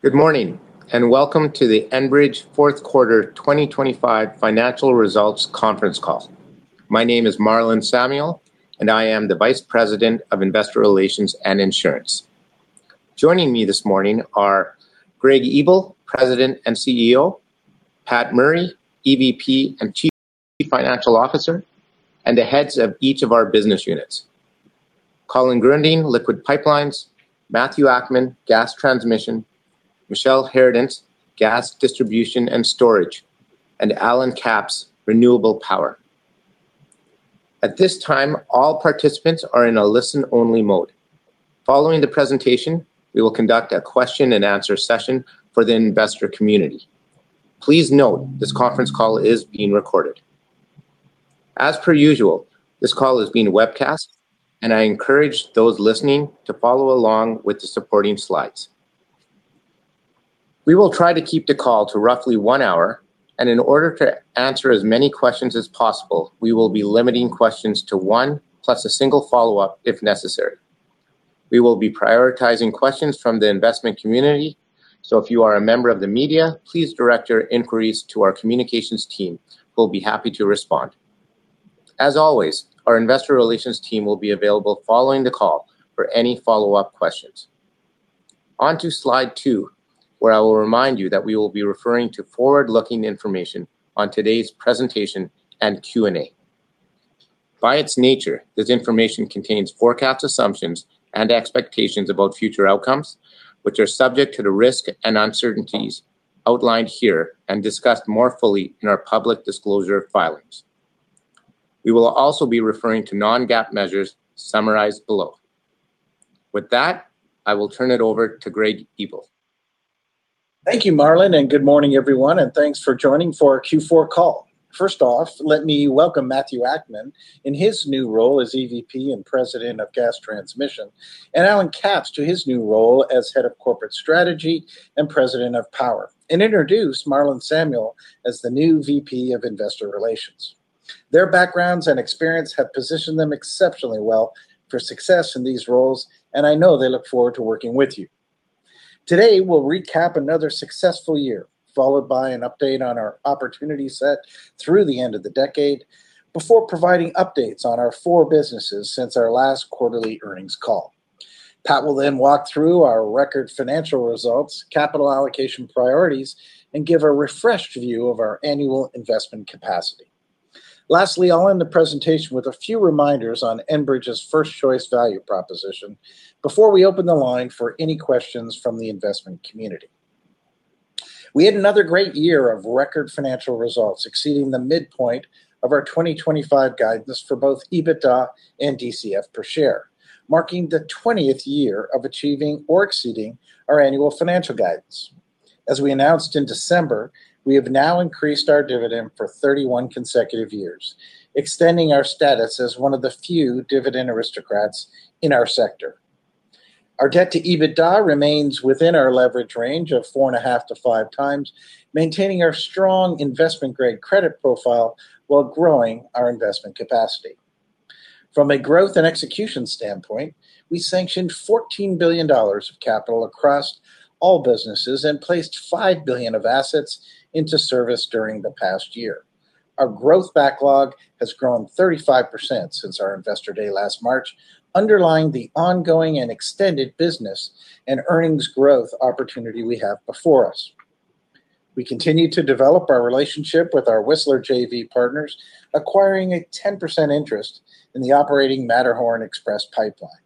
Good morning, and welcome to the Enbridge Fourth Quarter 2025 Financial Results Conference Call. My name is Marlon Samuel, and I am the Vice President of Investor Relations and Insurance. Joining me this morning are Greg Ebel, President and CEO, Pat Murray, EVP and Chief Financial Officer, and the heads of each of our business units: Colin Gruending, Liquids Pipelines, Matthew Akman, Gas Transmission, Michele Harradence, Gas Distribution and Storage, and Allen Capps, Renewable Power. At this time, all participants are in a listen-only mode. Following the presentation, we will conduct a question-and-answer session for the investor community. Please note, this conference call is being recorded. As per usual, this call is being webcast, and I encourage those listening to follow along with the supporting slides. We will try to keep the call to roughly one hour, and in order to answer as many questions as possible, we will be limiting questions to one, plus a single follow-up if necessary. We will be prioritizing questions from the investment community, so if you are a member of the media, please direct your inquiries to our communications team, who'll be happy to respond. As always, our investor relations team will be available following the call for any follow-up questions. On to slide two, where I will remind you that we will be referring to forward-looking information on today's presentation and Q&A. By its nature, this information contains forecast assumptions and expectations about future outcomes, which are subject to the risks and uncertainties outlined here and discussed more fully in our public disclosure filings. We will also be referring to non-GAAP measures summarized below. With that, I will turn it over to Greg Ebel. Thank you, Marlon, and good morning, everyone, and thanks for joining for our Q4 call. First off, let me welcome Matthew Akman in his new role as EVP and President of Gas Transmission, and Allen Capps to his new role as Head of Corporate Strategy and President of Power, and introduce Marlon Samuel as the new VP of Investor Relations. Their backgrounds and experience have positioned them exceptionally well for success in these roles, and I know they look forward to working with you. Today, we'll recap another successful year, followed by an update on our opportunity set through the end of the decade, before providing updates on our four businesses since our last quarterly earnings call. Pat will then walk through our record financial results, capital allocation priorities, and give a refreshed view of our annual investment capacity. Lastly, I'll end the presentation with a few reminders on Enbridge's first-choice value proposition before we open the line for any questions from the investment community. We had another great year of record financial results, exceeding the midpoint of our 2025 guidance for both EBITDA and DCF per share, marking the 20th year of achieving or exceeding our annual financial guidance. As we announced in December, we have now increased our dividend for 31 consecutive years, extending our status as one of the few dividend aristocrats in our sector. Our debt to EBITDA remains within our leverage range of 4.5-5 times, maintaining our strong investment-grade credit profile while growing our investment capacity. From a growth and execution standpoint, we sanctioned 14 billion dollars of capital across all businesses and placed 5 billion of assets into service during the past year. Our growth backlog has grown 35% since our Investor Day last March, underlying the ongoing and extended business and earnings growth opportunity we have before us. We continued to develop our relationship with our Whistler JV partners, acquiring a 10% interest in the operating Matterhorn Express pipeline.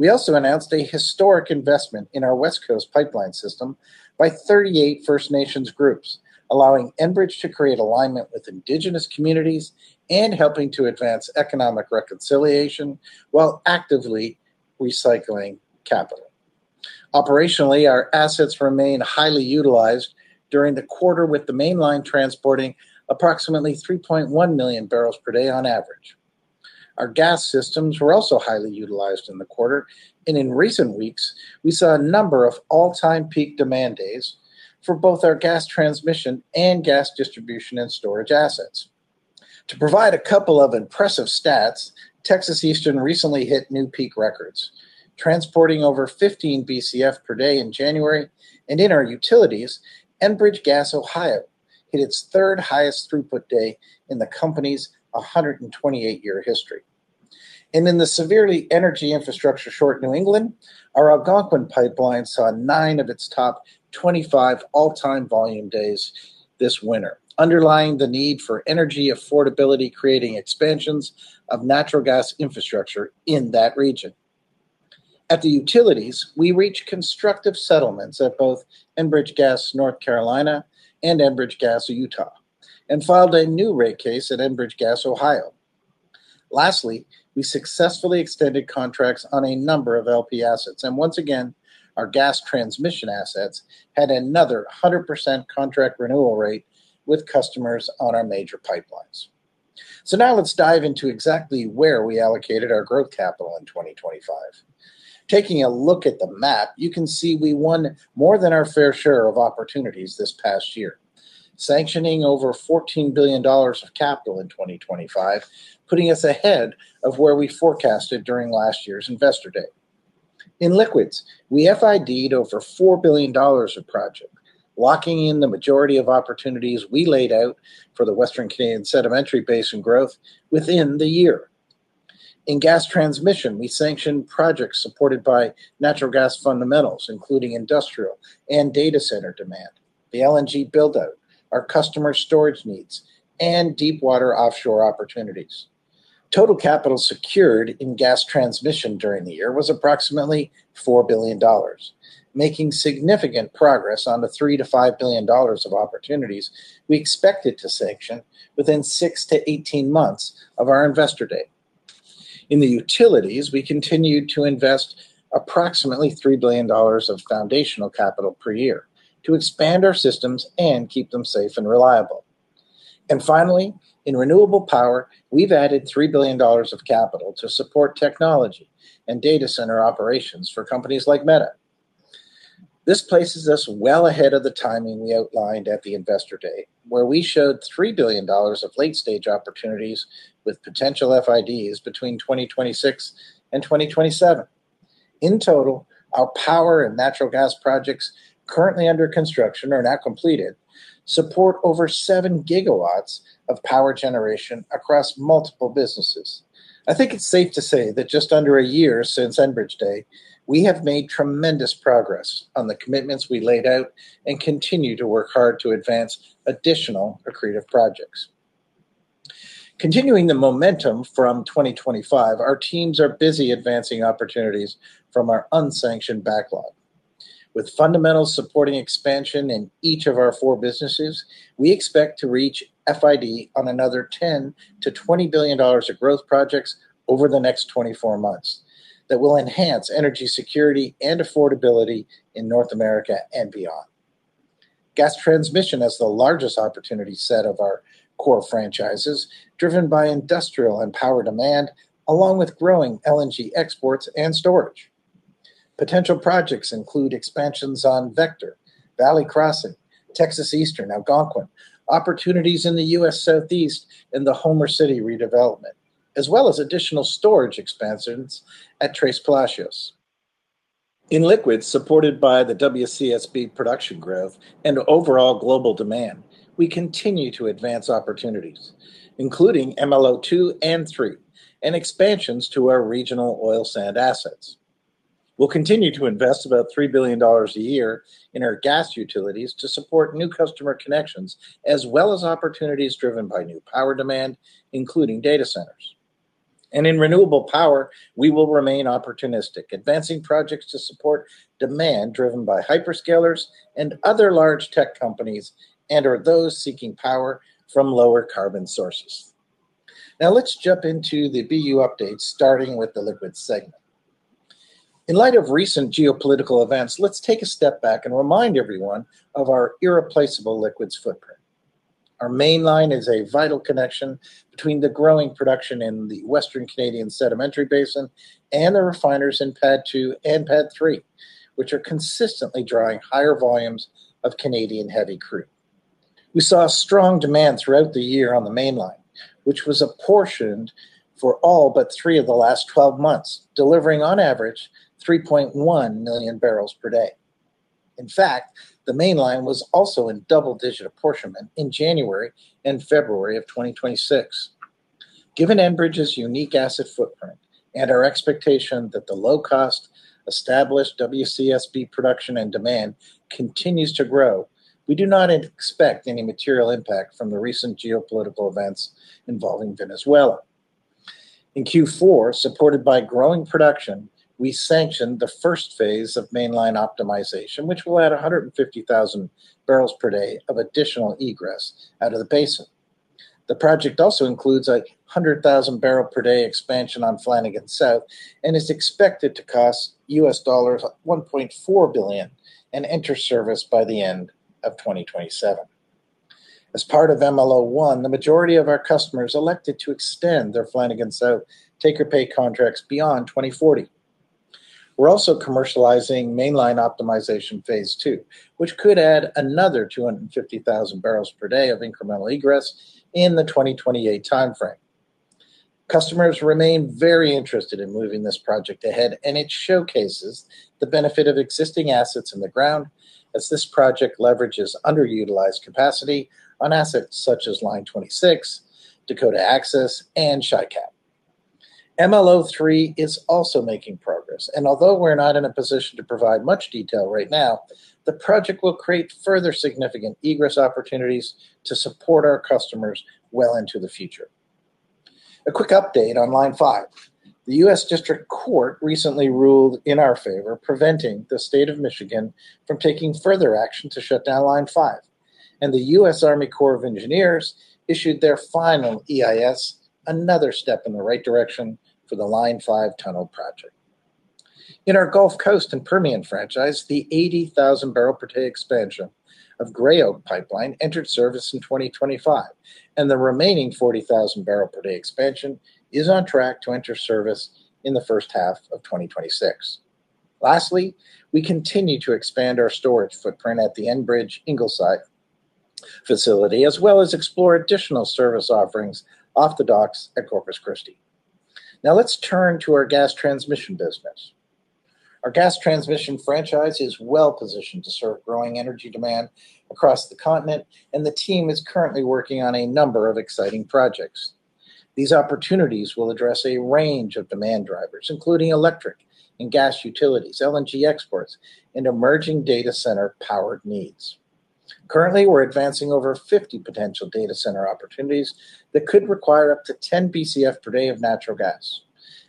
We also announced a historic investment in our West Coast pipeline system by 38 First Nations groups, allowing Enbridge to create alignment with indigenous communities and helping to advance economic reconciliation while actively recycling capital. Operationally, our assets remain highly utilized during the quarter, with the mainline transporting approximately 3.1 million barrels per day on average. Our gas systems were also highly utilized in the quarter, and in recent weeks, we saw a number of all-time peak demand days for both our gas transmission and gas distribution and storage assets. To provide a couple of impressive stats, Texas Eastern recently hit new peak records, transporting over 15 BCF per day in January, and in our utilities, Enbridge Gas Ohio hit its third-highest throughput day in the company's 128-year history. In the severely energy infrastructure-short New England, our Algonquin pipeline saw nine of its top 25 all-time volume days this winter, underlying the need for energy affordability, creating expansions of natural gas infrastructure in that region. At the utilities, we reached constructive settlements at both Enbridge Gas North Carolina and Enbridge Gas of Utah, and filed a new rate case at Enbridge Gas Ohio. Lastly, we successfully extended contracts on a number of LP assets, and once again, our gas transmission assets had another 100% contract renewal rate with customers on our major pipelines. So now let's dive into exactly where we allocated our growth capital in 2025. Taking a look at the map, you can see we won more than our fair share of opportunities this past year. Sanctioning over $14 billion of capital in 2025, putting us ahead of where we forecasted during last year's Investor Day. In liquids, we FID over $4 billion of project, locking in the majority of opportunities we laid out for the Western Canadian Sedimentary Basin growth within the year. In gas transmission, we sanctioned projects supported by natural gas fundamentals, including industrial and data center demand, the LNG build-out, our customer storage needs, and deepwater offshore opportunities. Total capital secured in gas transmission during the year was approximately 4 billion dollars, making significant progress on the 3 billion-5 billion dollars of opportunities we expected to sanction within 6-18 months of our Investor Day. In the utilities, we continued to invest approximately 3 billion dollars of foundational capital per year to expand our systems and keep them safe and reliable. And finally, in renewable power, we've added 3 billion dollars of capital to support technology and data center operations for companies like Meta. This places us well ahead of the timing we outlined at the Investor Day, where we showed 3 billion dollars of late-stage opportunities with potential FIDs between 2026 and 2027. In total, our power and natural gas projects currently under construction are now completed, support over 7 GW of power generation across multiple businesses. I think it's safe to say that just under a year since Enbridge Day, we have made tremendous progress on the commitments we laid out and continue to work hard to advance additional accretive projects. Continuing the momentum from 2025, our teams are busy advancing opportunities from our unsanctioned backlog. With fundamental supporting expansion in each of our four businesses, we expect to reach FID on another $10-$20 billion of growth projects over the next 24 months, that will enhance energy security and affordability in North America and beyond. Gas transmission has the largest opportunity set of our core franchises, driven by industrial and power demand, along with growing LNG exports and storage. Potential projects include expansions on Vector, Valley Crossing, Texas Eastern, Algonquin, opportunities in the U.S. Southeast, and the Homer City redevelopment, as well as additional storage expansions at Tres Palacios. In liquids, supported by the WCSB production growth and overall global demand, we continue to advance opportunities, including MLO 2 and 3, and expansions to our regional oil sands assets. We'll continue to invest about 3 billion dollars a year in our gas utilities to support new customer connections, as well as opportunities driven by new power demand, including data centers. In renewable power, we will remain opportunistic, advancing projects to support demand driven by hyperscalers and other large tech companies and/or those seeking power from lower carbon sources. Now, let's jump into the BU update, starting with the liquids segment. In light of recent geopolitical events, let's take a step back and remind everyone of our irreplaceable liquids footprint. Our Mainline is a vital connection between the growing production in the Western Canadian Sedimentary Basin and the refiners in PADD II and PADD III, which are consistently drawing higher volumes of Canadian heavy crude. We saw a strong demand throughout the year on the Mainline, which was apportioned for all but three of the last 12 months, delivering on average 3.1 million barrels per day. In fact, the Mainline was also in double-digit apportionment in January and February of 2026. Given Enbridge's unique asset footprint and our expectation that the low-cost, established WCSB production and demand continues to grow, we do not expect any material impact from the recent geopolitical events involving Venezuela. In Q4, supported by growing production, we sanctioned the first phase of Mainline optimization, which will add 150,000 barrels per day of additional egress out of the basin. The project also includes a 100,000 barrel per day expansion on Flanagan South and is expected to cost $1.4 billion and enter service by the end of 2027. As part of MLO 1, the majority of our customers elected to extend their Flanagan South take-or-pay contracts beyond 2040. We're also commercializing Mainline Optimization Phase 2, which could add another 250,000 barrels per day of incremental egress in the 2028 timeframe. Customers remain very interested in moving this project ahead, and it showcases the benefit of existing assets in the ground as this project leverages underutilized capacity on assets such as Line 26, Dakota Access, and Seaway. MLO 3 is also making progress, and although we're not in a position to provide much detail right now, the project will create further significant egress opportunities to support our customers well into the future. A quick update on Line Five. The U.S. District Court recently ruled in our favor, preventing the state of Michigan from taking further action to shut down Line Five, and the U.S. Army Corps of Engineers issued their final EIS, another step in the right direction for the Line Five Tunnel Project. In our Gulf Coast and Permian franchise, the 80,000 barrel per day expansion of Gray Oak Pipeline entered service in 2025, and the remaining 40,000 barrel per day expansion is on track to enter service in the first half of 2026.... Lastly, we continue to expand our storage footprint at the Enbridge Ingleside facility, as well as explore additional service offerings off the docks at Corpus Christi. Now, let's turn to our gas transmission business. Our gas transmission franchise is well-positioned to serve growing energy demand across the continent, and the team is currently working on a number of exciting projects. These opportunities will address a range of demand drivers, including electric and gas utilities, LNG exports, and emerging data center power needs. Currently, we're advancing over 50 potential data center opportunities that could require up to 10 BCF per day of natural gas,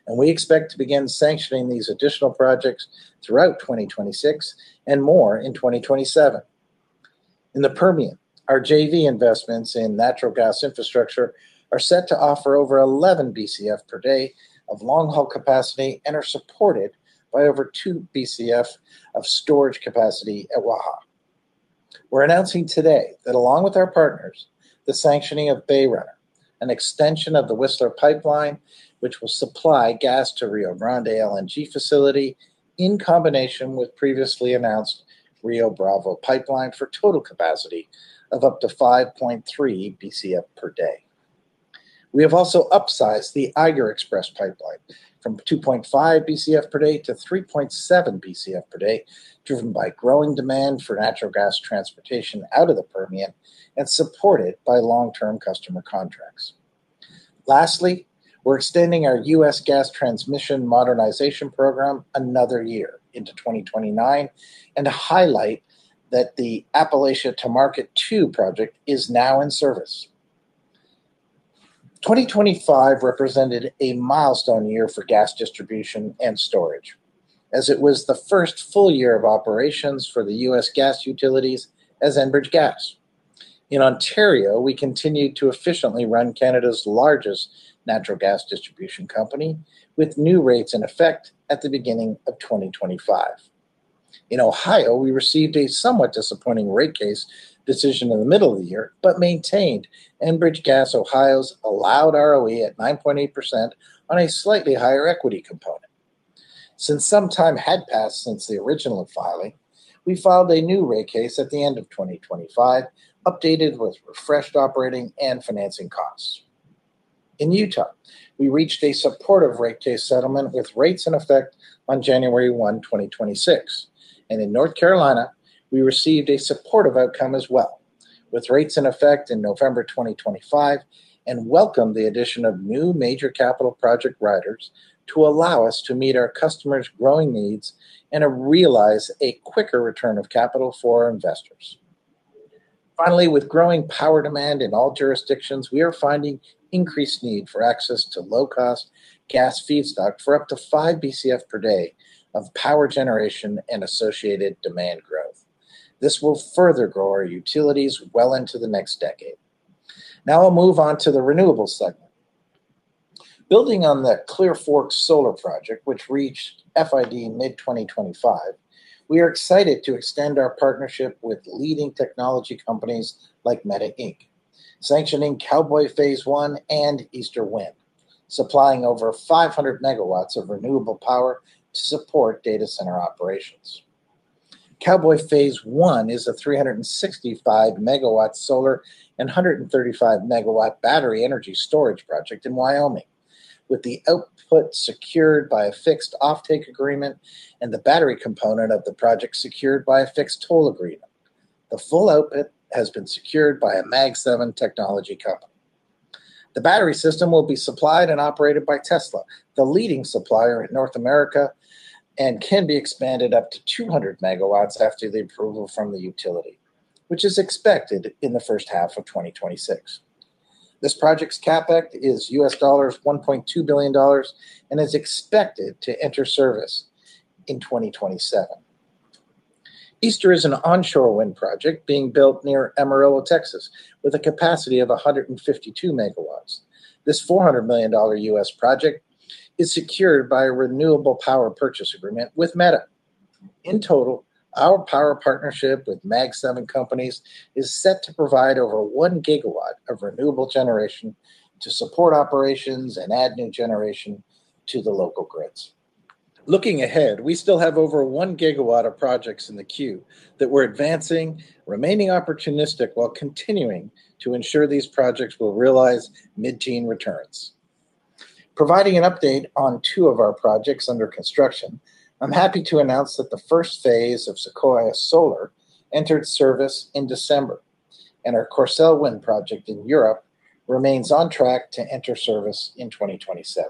and we expect to begin sanctioning these additional projects throughout 2026 and more in 2027. In the Permian, our JV investments in natural gas infrastructure are set to offer over 11 BCF/day of long-haul capacity and are supported by over 2 BCF of storage capacity at Waha. We're announcing today that along with our partners, the sanctioning of Bay Runner, an extension of the Whistler pipeline, which will supply gas to Rio Grande LNG facility, in combination with previously announced Rio Bravo pipeline for total capacity of up to 5.3 BCF/day. We have also upsized the Eiger Express pipeline from 2.5 BCF/day to 3.7 BCF/day, driven by growing demand for natural gas transportation out of the Permian and supported by long-term customer contracts. Lastly, we're extending our U.S. Gas Transmission Modernization Program another year into 2029, and to highlight that the Appalachia to Market Two project is now in service. 2025 represented a milestone year for Gas Distribution and Storage, as it was the first full year of operations for the U.S. gas utilities as Enbridge Gas. In Ontario, we continued to efficiently run Canada's largest natural gas distribution company, with new rates in effect at the beginning of 2025. In Ohio, we received a somewhat disappointing rate case decision in the middle of the year, but maintained Enbridge Gas Ohio's allowed ROE at 9.8% on a slightly higher equity component. Since some time had passed since the original filing, we filed a new rate case at the end of 2025, updated with refreshed operating and financing costs. In Utah, we reached a supportive rate case settlement, with rates in effect on January 1, 2026, and in North Carolina, we received a supportive outcome as well, with rates in effect in November 2025, and welcomed the addition of new major capital project riders to allow us to meet our customers' growing needs and to realize a quicker return of capital for our investors. Finally, with growing power demand in all jurisdictions, we are finding increased need for access to low-cost gas feedstock for up to 5 BCF/day of power generation and associated demand growth. This will further grow our utilities well into the next decade. Now I'll move on to the renewables segment. Building on the Clear Fork Solar Project, which reached FID in mid-2025, we are excited to extend our partnership with leading technology companies like Meta Inc, sanctioning Cowboy Phase One and Easter Wind, supplying over 500 MW of renewable power to support data center operations. Cowboy Phase One is a 365 MW solar and 135 MW battery energy storage project in Wyoming, with the output secured by a fixed offtake agreement and the battery component of the project secured by a fixed toll agreement. The full output has been secured by a Mag Seven technology company. The battery system will be supplied and operated by Tesla, the leading supplier in North America, and can be expanded up to 200 MW after the approval from the utility, which is expected in the first half of 2026. This project's CapEx is $1.2 billion, and is expected to enter service in 2027. Easter is an onshore wind project being built near Amarillo, Texas, with a capacity of 152 MW. This $400 million US project is secured by a renewable power purchase agreement with Meta. In total, our power partnership with Mag Seven Companies is set to provide over 1 GW of renewable generation to support operations and add new generation to the local grids. Looking ahead, we still have over 1 GW of projects in the queue that we're advancing, remaining opportunistic while continuing to ensure these projects will realize mid-teen returns. Providing an update on two of our projects under construction, I'm happy to announce that the first phase of Sequoia Solar entered service in December, and our Courseulles Wind Project in Europe remains on track to enter service in 2027.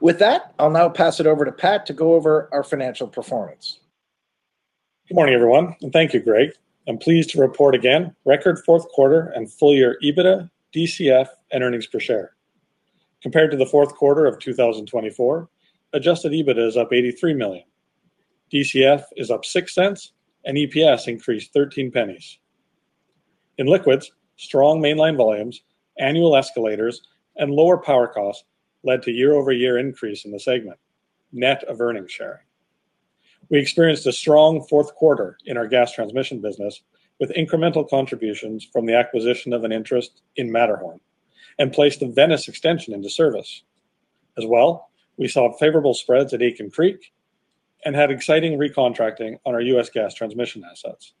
With that, I'll now pass it over to Pat to go over our financial performance. Good morning, everyone, and thank you, Greg. I'm pleased to report again, record fourth quarter and full-year EBITDA, DCF, and earnings per share. Compared to the fourth quarter of 2024, adjusted EBITDA is up 83 million, DCF is up 0.06, and EPS increased 0.13. In liquids, strong mainline volumes, annual escalators, and lower power costs led to year-over-year increase in the segment, net of earnings share. We experienced a strong fourth quarter in our gas transmission business, with incremental contributions from the acquisition of an interest in Matterhorn and placed the Venice Extension into service. As well, we saw favorable spreads at Aitken Creek and had exciting recontracting on our U.S. gas transmission assets.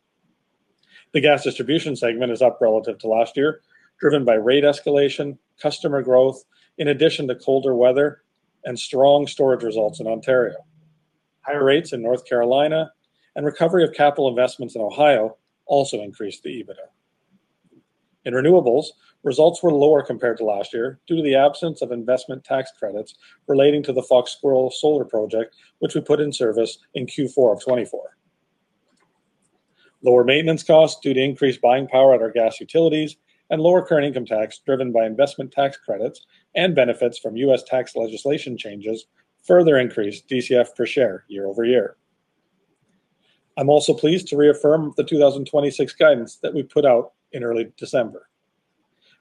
The gas distribution segment is up relative to last year, driven by rate escalation, customer growth, in addition to colder weather and strong storage results in Ontario. Higher rates in North Carolina and recovery of capital investments in Ohio also increased the EBITDA. In renewables, results were lower compared to last year due to the absence of investment tax credits relating to the Fox Squirrel Solar project, which we put in service in Q4 of 2024. Lower maintenance costs due to increased buying power at our gas utilities and lower current income tax, driven by investment tax credits and benefits from U.S. tax legislation changes, further increased DCF per share year-over-year. I'm also pleased to reaffirm the 2026 guidance that we put out in early December.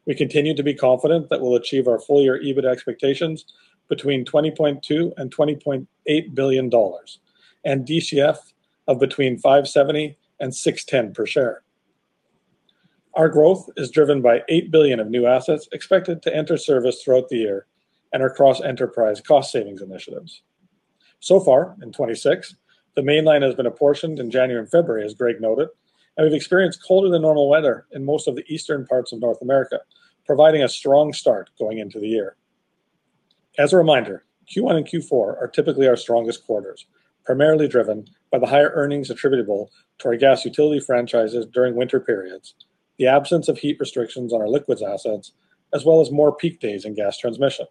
We continue to be confident that we'll achieve our full-year EBITDA expectations between 20.2 billion and 20.8 billion dollars, and DCF of between 570 and 610 per share. Our growth is driven by 8 billion of new assets expected to enter service throughout the year and our cross-enterprise cost savings initiatives. So far, in 2026, the Mainline has been apportioned in January and February, as Greg noted, and we've experienced colder than normal weather in most of the eastern parts of North America, providing a strong start going into the year. As a reminder, Q1 and Q4 are typically our strongest quarters, primarily driven by the higher earnings attributable to our gas utility franchises during winter periods, the absence of heat restrictions on our liquids assets, as well as more peak days in gas transmission.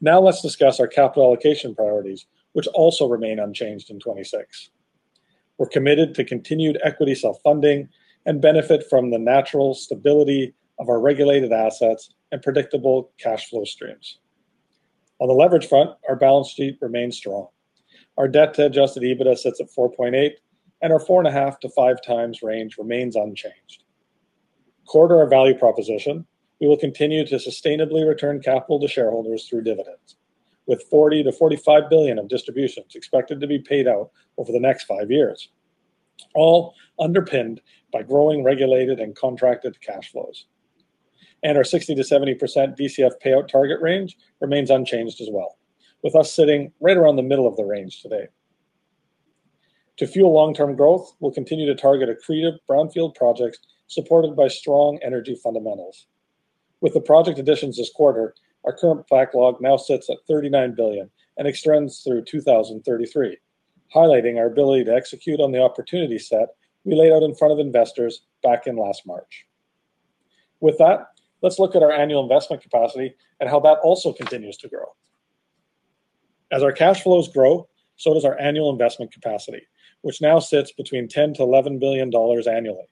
Now, let's discuss our capital allocation priorities, which also remain unchanged in 2026. We're committed to continued equity self-funding and benefit from the natural stability of our regulated assets and predictable cash flow streams. On the leverage front, our balance sheet remains strong. Our debt to adjusted EBITDA sits at 4.8, and our 4.5-5 times range remains unchanged. Core to our value proposition, we will continue to sustainably return capital to shareholders through dividends, with 40 billion-45 billion of distributions expected to be paid out over the next 5 years, all underpinned by growing, regulated, and contracted cash flows. Our 60%-70% DCF payout target range remains unchanged as well, with us sitting right around the middle of the range today. To fuel long-term growth, we'll continue to target accretive brownfield projects supported by strong energy fundamentals. With the project additions this quarter, our current backlog now sits at 39 billion and extends through 2033, highlighting our ability to execute on the opportunity set we laid out in front of investors back in last March. With that, let's look at our annual investment capacity and how that also continues to grow. As our cash flows grow, so does our annual investment capacity, which now sits between 10 billion-11 billion dollars annually,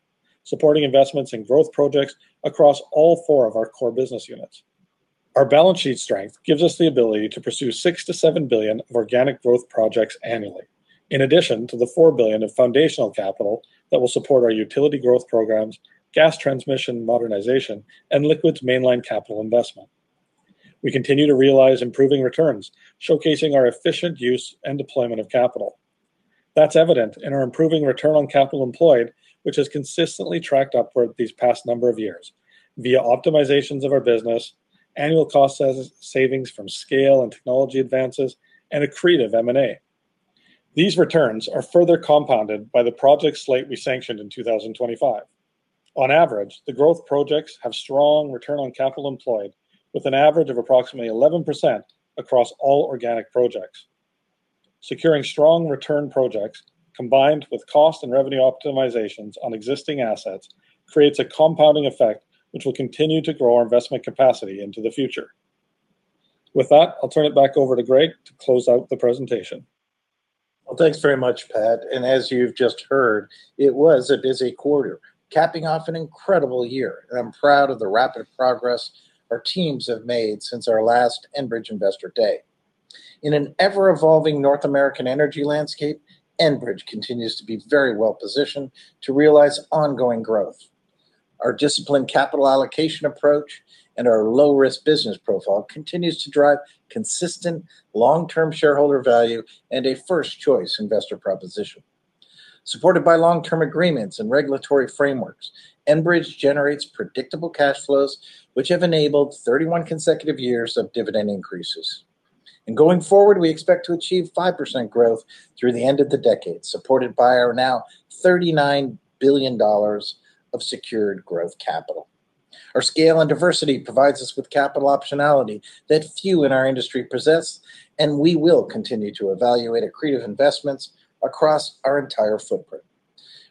supporting investments in growth projects across all four of our core business units. Our balance sheet strength gives us the ability to pursue 6 billion-7 billion of organic growth projects annually, in addition to the 4 billion of foundational capital that will support our utility growth programs, gas transmission, modernization, and liquids mainline capital investment. We continue to realize improving returns, showcasing our efficient use and deployment of capital. That's evident in our improving return on capital employed, which has consistently tracked upward these past number of years via optimizations of our business, annual cost savings from scale and technology advances, and accretive M&A. These returns are further compounded by the project slate we sanctioned in 2025. On average, the growth projects have strong return on capital employed, with an average of approximately 11% across all organic projects. Securing strong return projects, combined with cost and revenue optimizations on existing assets, creates a compounding effect, which will continue to grow our investment capacity into the future. With that, I'll turn it back over to Greg to close out the presentation. Well, thanks very much, Pat. As you've just heard, it was a busy quarter, capping off an incredible year, and I'm proud of the rapid progress our teams have made since our last Enbridge Investor Day. In an ever-evolving North American energy landscape, Enbridge continues to be very well-positioned to realize ongoing growth. Our disciplined capital allocation approach and our low-risk business profile continues to drive consistent long-term shareholder value and a first-choice investor proposition. Supported by long-term agreements and regulatory frameworks, Enbridge generates predictable cash flows, which have enabled 31 consecutive years of dividend increases. Going forward, we expect to achieve 5% growth through the end of the decade, supported by our now 39 billion dollars of secured growth capital. Our scale and diversity provides us with capital optionality that few in our industry possess, and we will continue to evaluate accretive investments across our entire footprint.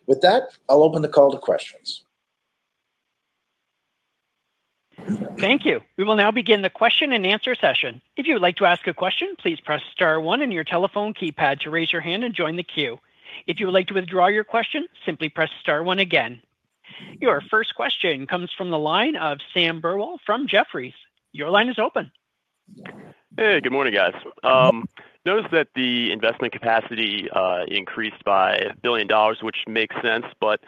With that, I'll open the call to questions. Thank you. We will now begin the question-and-answer session. If you would like to ask a question, please press star one on your telephone keypad to raise your hand and join the queue. If you would like to withdraw your question, simply press star one again. Your first question comes from the line of Sam Burwell from Jefferies. Your line is open. Hey, good morning, guys. Noticed that the investment capacity increased by 1 billion dollars, which makes sense, but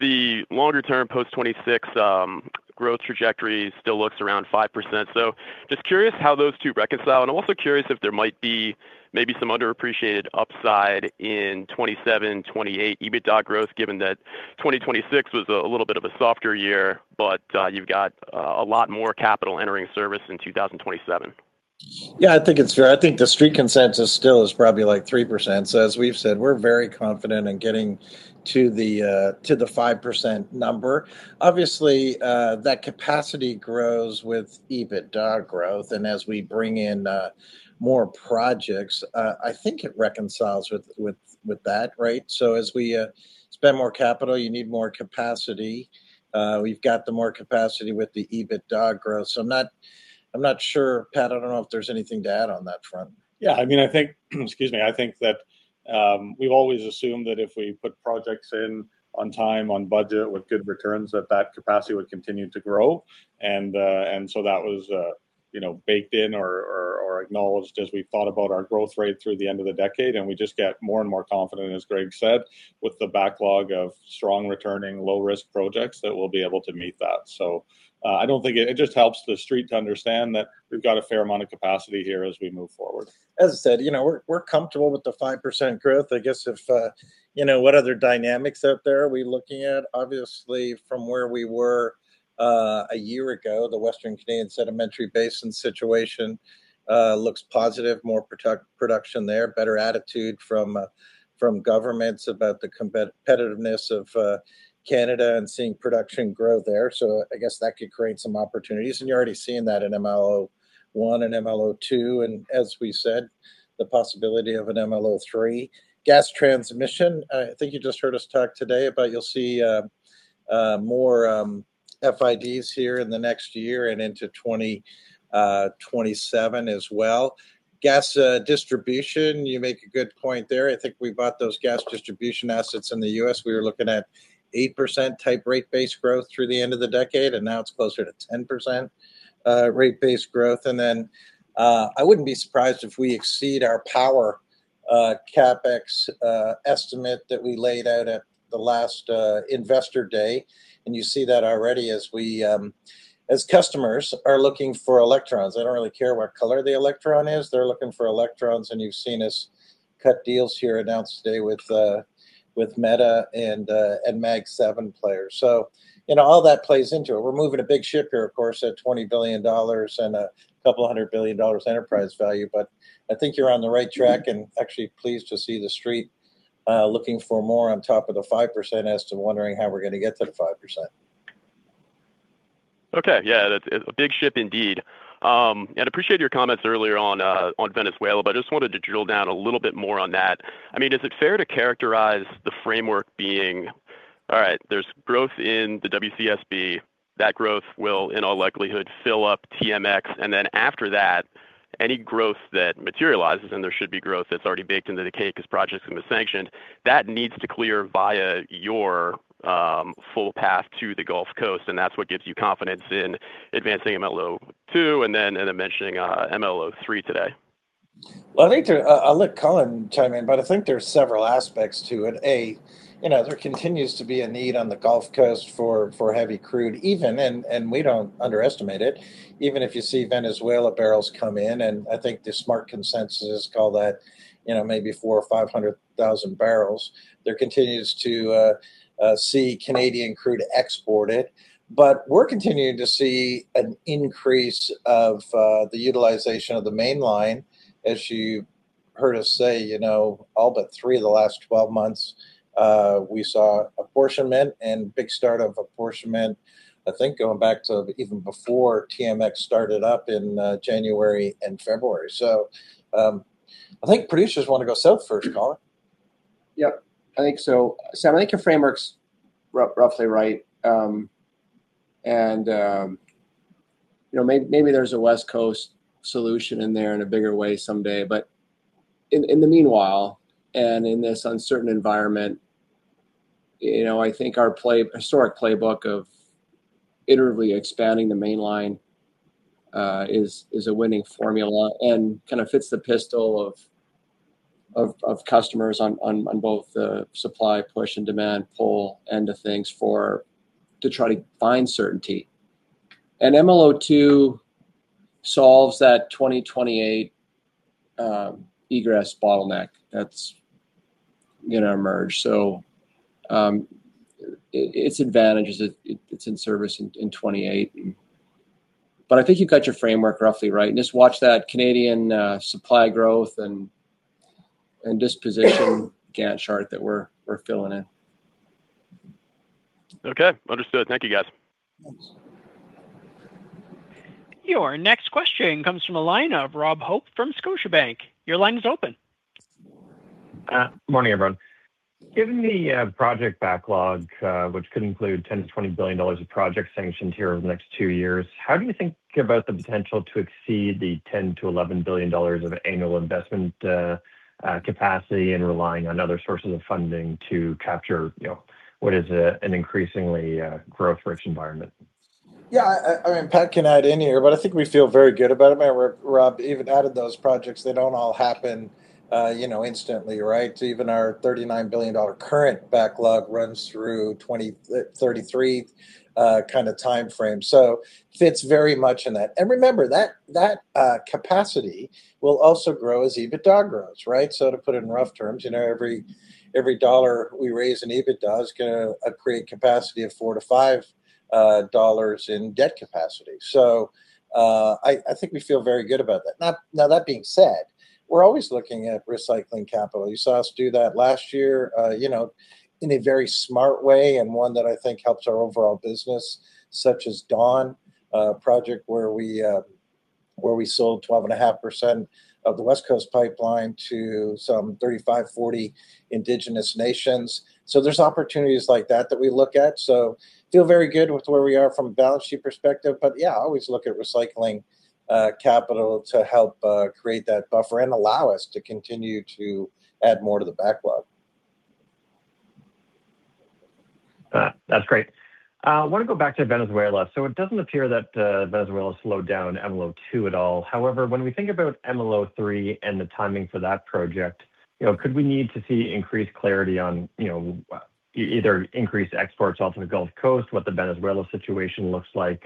the longer-term post-2026 growth trajectory still looks around 5%. So just curious how those two reconcile, and I'm also curious if there might be maybe some underappreciated upside in 2027, 2028 EBITDA growth, given that 2026 was a little bit of a softer year, but you've got a lot more capital entering service in 2027.... Yeah, I think it's fair. I think the Street consensus still is probably like 3%. So as we've said, we're very confident in getting to the 5% number. Obviously, that capacity grows with EBITDA growth, and as we bring in more projects, I think it reconciles with that, right? So as we spend more capital, you need more capacity. We've got the more capacity with the EBITDA growth, so I'm not sure. Pat, I don't know if there's anything to add on that front. Yeah, I mean, I think, excuse me. I think that we've always assumed that if we put projects in on time, on budget with good returns, that that capacity would continue to grow. And, and so that was, you know, baked in or, or, or acknowledged as we thought about our growth rate through the end of the decade, and we just get more and more confident, as Greg said, with the backlog of strong-returning, low-risk projects that we'll be able to meet that. So, I don't think... It just helps the Street to understand that we've got a fair amount of capacity here as we move forward. As I said, you know, we're comfortable with the 5% growth. I guess if, you know, what other dynamics out there are we looking at? Obviously, from where we were, a year ago, the Western Canadian Sedimentary Basin situation looks positive. More production there, better attitude from, from governments about the competitiveness of, Canada and seeing production grow there. So I guess that could create some opportunities, and you're already seeing that in MLO 1 and MLO 2, and as we said, the possibility of an MLO 3. Gas transmission, I think you just heard us talk today, but you'll see, more, FIDs here in the next year and into 2027 as well. Gas, distribution, you make a good point there. I think we bought those gas distribution assets in the U.S. We were looking at 8% type rate base growth through the end of the decade, and now it's closer to 10%, rate base growth. And then, I wouldn't be surprised if we exceed our power, CapEx, estimate that we laid out at the last, Investor Day. And you see that already as we... As customers are looking for electrons. They don't really care what color the electron is, they're looking for electrons, and you've seen us cut deals here announced today with, with Meta and, and Mag Seven players. So, you know, all that plays into it. We're moving a big ship here, of course, at 20 billion dollars and a couple hundred billion dollars enterprise value. But I think you're on the right track, and actually pleased to see the Street looking for more on top of the 5% as to wondering how we're gonna get to the 5%. Okay. Yeah, that's a big ship indeed. And appreciate your comments earlier on Venezuela, but I just wanted to drill down a little bit more on that. I mean, is it fair to characterize the framework being: all right, there's growth in the WCSB. That growth will, in all likelihood, fill up TMX, and then after that, any growth that materializes, and there should be growth that's already baked into the cake 'cause projects have been sanctioned, that needs to clear via your full path to the Gulf Coast, and that's what gives you confidence in advancing MLO 2 and then, and in mentioning MLO 3 today? Well, I think I'll let Colin chime in, but I think there are several aspects to it. A, you know, there continues to be a need on the Gulf Coast for heavy crude even, and we don't underestimate it. Even if you see Venezuela barrels come in, and I think the smart consensus call that, you know, maybe 400,000 or 500,000 barrels, there continues to see Canadian crude exported. But we're continuing to see an increase of the utilization of the Mainline. As you heard us say, you know, all but three of the last 12 months, we saw apportionment and big start of apportionment, I think going back to even before TMX started up in January and February. So, I think producers want to go south first, Colin. Yep, I think so. Sam, I think your framework's roughly right. And, you know, maybe there's a West Coast solution in there in a bigger way someday, but in the meanwhile, and in this uncertain environment, you know, I think our historic playbook of iteratively expanding the Mainline is a winning formula and kind of fits the profile of customers on both the supply push and demand pull end of things to try to find certainty. And MLO 2 solves that 2028 egress bottleneck that's gonna emerge. So, its advantage is it's in service in 2028. But I think you've got your framework roughly right, and just watch that Canadian supply growth and disposition Gantt chart that we're filling in. Okay, understood. Thank you, guys. Thanks. Your next question comes from the line of Rob Hope from Scotiabank. Your line is open. Morning, everyone. Given the project backlog, which could include $10-$20 billion of projects sanctioned here over the next two years, how do you think about the potential to exceed the $10-$11 billion of annual investment capacity and relying on other sources of funding to capture, you know, what is an increasingly growth-rich environment? Yeah, I mean, Pat can add in here, but I think we feel very good about it. Matter of fact, Rob, even out of those projects, they don't all happen, you know, instantly, right? Even our $39 billion current backlog runs through 20-33 kind of timeframe. So fits very much in that. And remember, that capacity will also grow as EBITDA grows, right? So to put it in rough terms, you know, every dollar we raise in EBITDA is gonna create capacity of 4-5 dollars in debt capacity. So I think we feel very good about that. Now, that being said, we're always looking at recycling capital. You saw us do that last year, you know, in a very smart way, and one that I think helps our overall business, such as Dawn Project, where we sold 12.5% of the West Coast pipeline to some 35-40 indigenous nations. So there's opportunities like that that we look at. So feel very good with where we are from a balance sheet perspective. But yeah, I always look at recycling capital to help create that buffer and allow us to continue to add more to the backlog. That's great. I wanna go back to Venezuela. So it doesn't appear that Venezuela slowed down MLO 2 at all. However, when we think about MLO 3 and the timing for that project, you know, could we need to see increased clarity on, you know, either increased exports off the Gulf Coast, what the Venezuela situation looks like?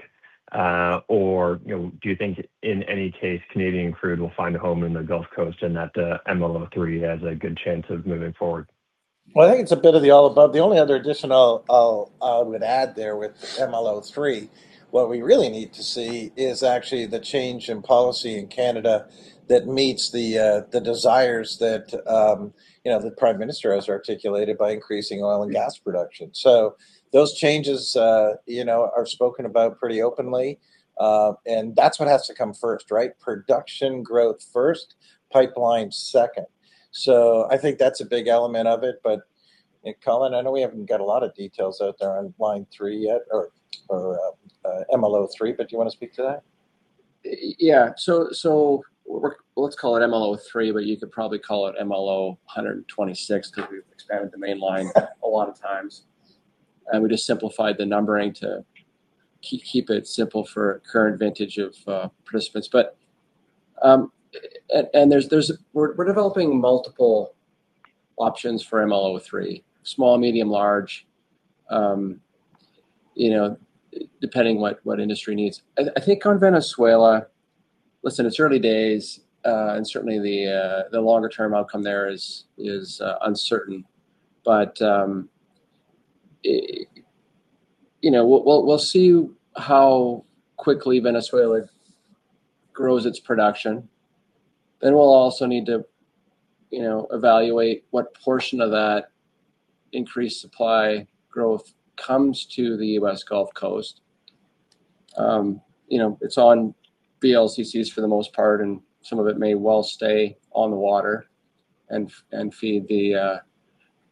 Or, you know, do you think in any case, Canadian crude will find a home in the Gulf Coast and that the MLO 3 has a good chance of moving forward? Well, I think it's a bit of the all above. The only other addition I'll I would add there with MLO 3, what we really need to see is actually the change in policy in Canada that meets the the desires that you know the Prime Minister has articulated by increasing oil and gas production. So those changes you know are spoken about pretty openly and that's what has to come first, right? Production growth first, pipeline second. So I think that's a big element of it. But and Colin, I know we haven't got a lot of details out there on Line 3 yet or MLO 3, but do you wanna speak to that? Yeah. So we're—let's call it MLO 3, but you could probably call it MLO 126, 'cause we've expanded the Mainline a lot of times, and we just simplified the numbering to keep it simple for current vintage of participants. But, and there's—we're developing multiple options for MLO 3: small, medium, large, you know, depending what industry needs. I think on Venezuela... Listen, it's early days, and certainly the longer term outcome there is uncertain. But, you know, we'll see how quickly Venezuela grows its production, then we'll also need to, you know, evaluate what portion of that increased supply growth comes to the U.S. Gulf Coast. You know, it's on VLCCs for the most part, and some of it may well stay on the water and feed the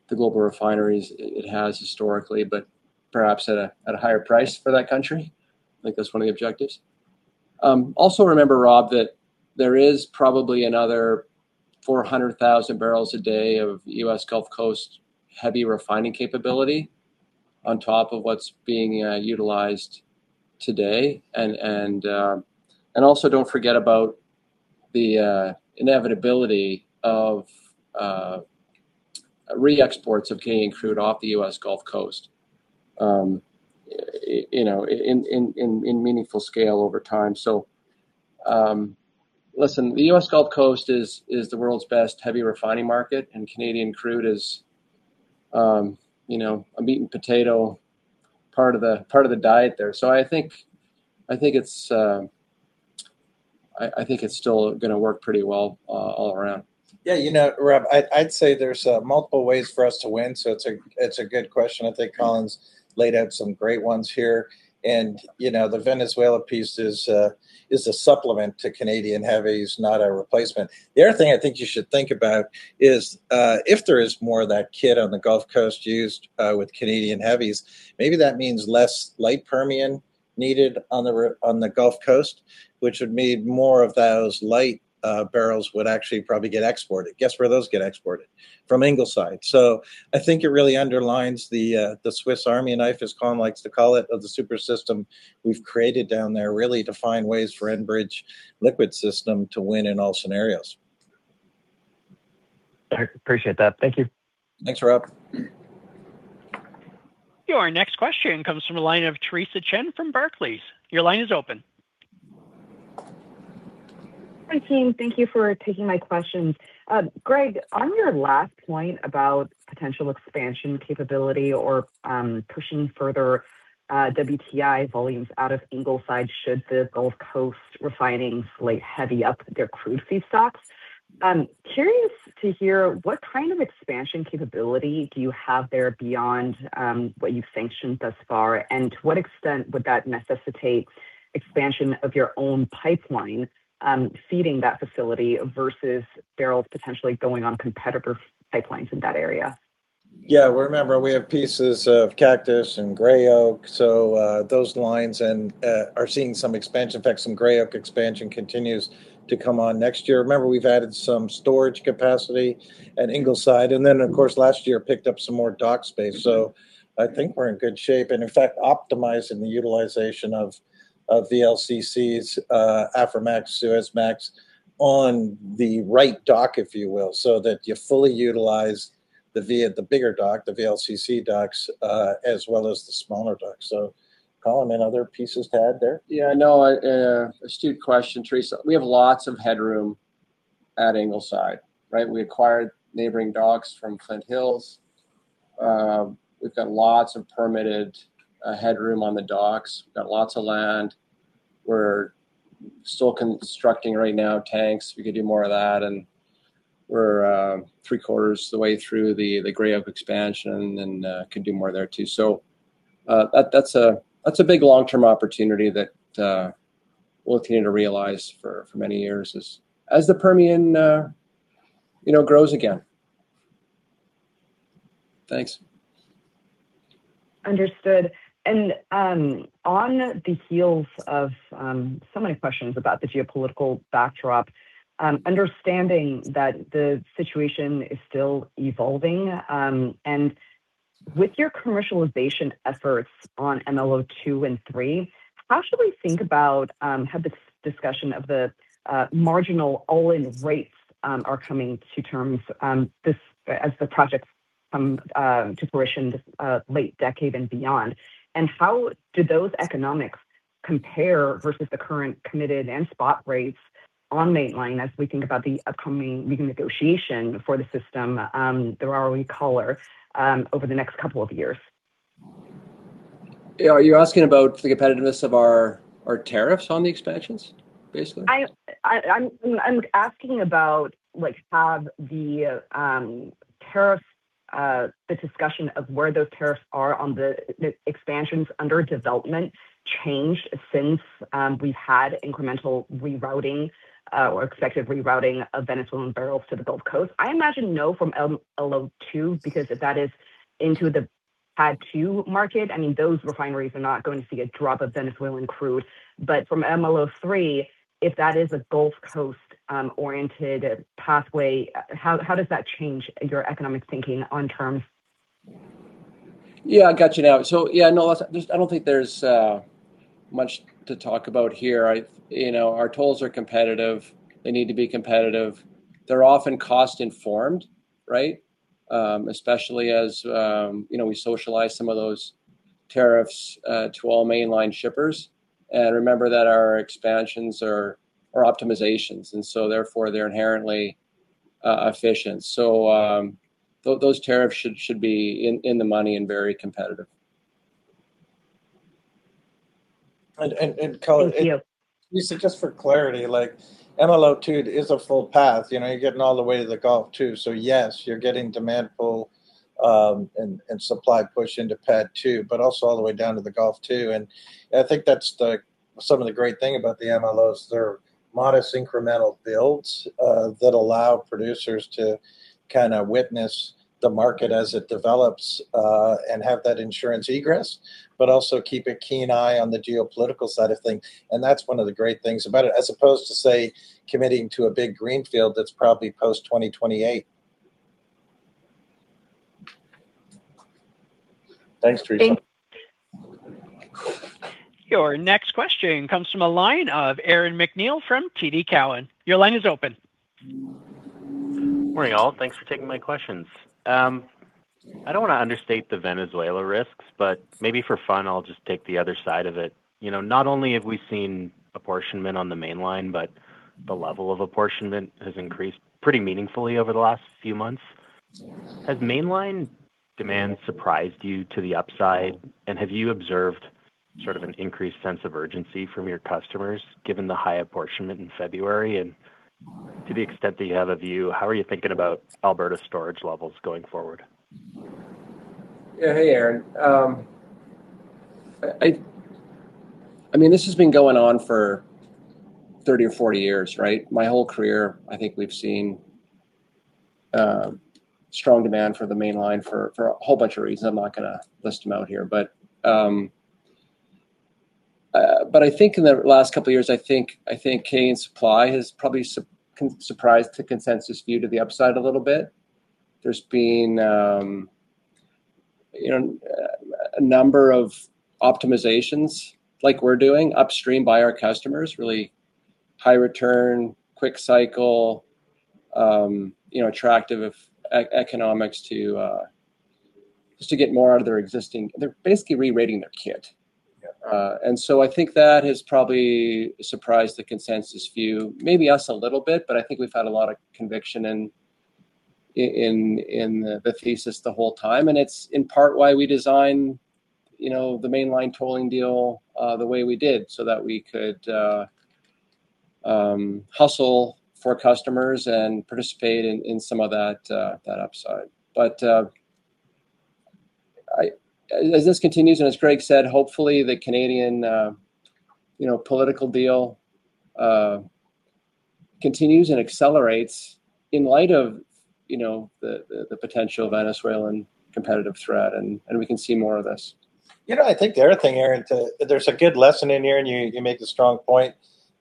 global refineries it has historically, but perhaps at a higher price for that country. I think that's one of the objectives. Also remember, Rob, that there is probably another 400,000 barrels a day of U.S. Gulf Coast heavy refining capability on top of what's being utilized today. And also, don't forget about the inevitability of re-exports of Canadian crude off the U.S. Gulf Coast, you know, in meaningful scale over time. So, listen, the U.S. Gulf Coast is the world's best heavy refining market, and Canadian crude is, you know, a beaten potato, part of the diet there. So I think it's still gonna work pretty well all around. Yeah, you know, Rob, I'd say there's multiple ways for us to win, so it's a good question. I think Colin's laid out some great ones here. And, you know, the Venezuela piece is a supplement to Canadian heavies, not a replacement. The other thing I think you should think about is if there is more of that kit on the Gulf Coast used with Canadian heavies, maybe that means less light Permian needed on the Gulf Coast, which would mean more of those light barrels would actually probably get exported. Guess where those get exported? From Ingleside. So I think it really underlines the Swiss Army knife, as Colin likes to call it, of the super system we've created down there, really to find ways for Enbridge liquid system to win in all scenarios. I appreciate that. Thank you. Thanks, Rob. Your next question comes from the line of Theresa Chen from Barclays. Your line is open. Hi, team. Thank you for taking my questions. Greg, on your last point about potential expansion capability or pushing further WTI volumes out of Ingleside, should the Gulf Coast refining slate heavy up their crude feedstocks, I'm curious to hear: What kind of expansion capability do you have there beyond what you've sanctioned thus far? And to what extent would that necessitate expansion of your own pipeline feeding that facility versus barrels potentially going on competitor pipelines in that area? Yeah, remember, we have pieces of Cactus and Gray Oak, so those lines and are seeing some expansion. In fact, some Gray Oak expansion continues to come on next year. Remember, we've added some storage capacity at Ingleside, and then, of course, last year, picked up some more dock space. So I think we're in good shape, and in fact, optimizing the utilization of VLCCs, Aframax, Suezmax on the right dock, if you will, so that you fully utilize the bigger dock, the VLCC docks, as well as the smaller docks. So Colin, any other pieces to add there? Yeah, no, astute question, Theresa. We have lots of headroom at Ingleside, right? We acquired neighboring docks from Flint Hills. We've got lots of permitted headroom on the docks, got lots of land. We're still constructing right now, tanks. We could do more of that and we're three quarters the way through the Gray Oak expansion, and can do more there too. So, that that's a big long-term opportunity that we'll continue to realize for many years as the Permian you know grows again. Thanks. Understood. And, on the heels of so many questions about the geopolitical backdrop, understanding that the situation is still evolving, and with your commercialization efforts on MLO 2 and 3, how should we think about have this discussion of the marginal all-in rates are coming to terms as the projects come to fruition this late decade and beyond? And how do those economics compare versus the current committed and spot rates on Mainline as we think about the upcoming renegotiation for the system, the hourly caller, over the next couple of years? Yeah, are you asking about the competitiveness of our tariffs on the expansions, basically? I'm asking about, like, have the tariffs, the discussion of where those tariffs are on the, the expansions under development changed since we've had incremental rerouting, or expected rerouting of Venezuelan barrels to the Gulf Coast? I imagine no from MLO Two, because that is into the PADD II market. I mean, those refineries are not going to see a drop of Venezuelan crude. But from MLO Three, if that is a Gulf Coast, oriented pathway, how does that change your economic thinking on terms? Yeah, I got you now. So, yeah, no, that's just I don't think there's much to talk about here. You know, our tolls are competitive. They need to be competitive. They're often cost-informed, right? Especially as, you know, we socialize some of those tariffs to all Mainline shippers. And remember that our expansions are optimizations, and so therefore, they're inherently efficient. So, those tariffs should be in the money and very competitive. Colin- Thank you. Lisa, just for clarity, like, MLO 2 is a full path. You know, you're getting all the way to the Gulf too. So yes, you're getting demand pull, and supply push into PADD 2, but also all the way down to the Gulf too. And I think that's some of the great thing about the MLOs. They're modest incremental builds, that allow producers to kinda witness the market as it develops, and have that insurance egress, but also keep a keen eye on the geopolitical side of things. And that's one of the great things about it, as opposed to, say, committing to a big greenfield that's probably post-2028. Thanks, Theresa. Thank- Your next question comes from a line of Aaron McNeil from TD Cowen. Your line is open. Good morning, all. Thanks for taking my questions. I don't wanna understate the Venezuela risks, but maybe for fun, I'll just take the other side of it. You know, not only have we seen apportionment on the Mainline, but the level of apportionment has increased pretty meaningfully over the last few months. Has Mainline demand surprised you to the upside? And have you observed sort of an increased sense of urgency from your customers, given the high apportionment in February? And to the extent that you have a view, how are you thinking about Alberta storage levels going forward? Yeah. Hey, Aaron. I mean, this has been going on for 30 or 40 years, right? My whole career, I think we've seen strong demand for the Mainline for a whole bunch of reasons. I'm not gonna list them out here. But I think in the last couple of years, I think Canadian supply has probably surprised the consensus view to the upside a little bit. There's been you know, a number of optimizations like we're doing upstream by our customers, really high return, quick cycle, you know, attractive economics to just to get more out of their existing... They're basically rerating their kit. And so I think that has probably surprised the consensus view, maybe us a little bit, but I think we've had a lot of conviction in the thesis the whole time, and it's in part why we designed, you know, the Mainline tolling deal the way we did, so that we could hustle for customers and participate in some of that upside. But as this continues, and as Greg said, hopefully, the Canadian, you know, political deal continues and accelerates in light of the potential Venezuelan competitive threat, and we can see more of this. You know, I think the other thing, Aaron, too—there's a good lesson in here, and you, you make a strong point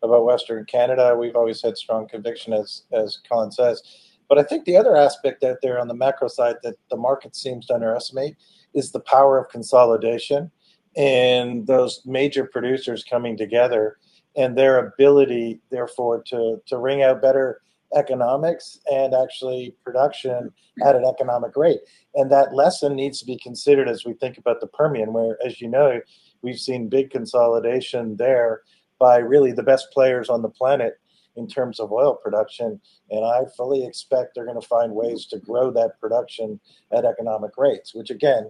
about Western Canada. We've always had strong conviction, as, as Colin says. But I think the other aspect out there on the macro side that the market seems to underestimate is the power of consolidation and those major producers coming together and their ability, therefore, to, to wring out better economics and actually production at an economic rate. And that lesson needs to be considered as we think about the Permian, where, as you know, we've seen big consolidation there by really the best players on the planet in terms of oil production. And I fully expect they're gonna find ways to grow that production at economic rates, which again,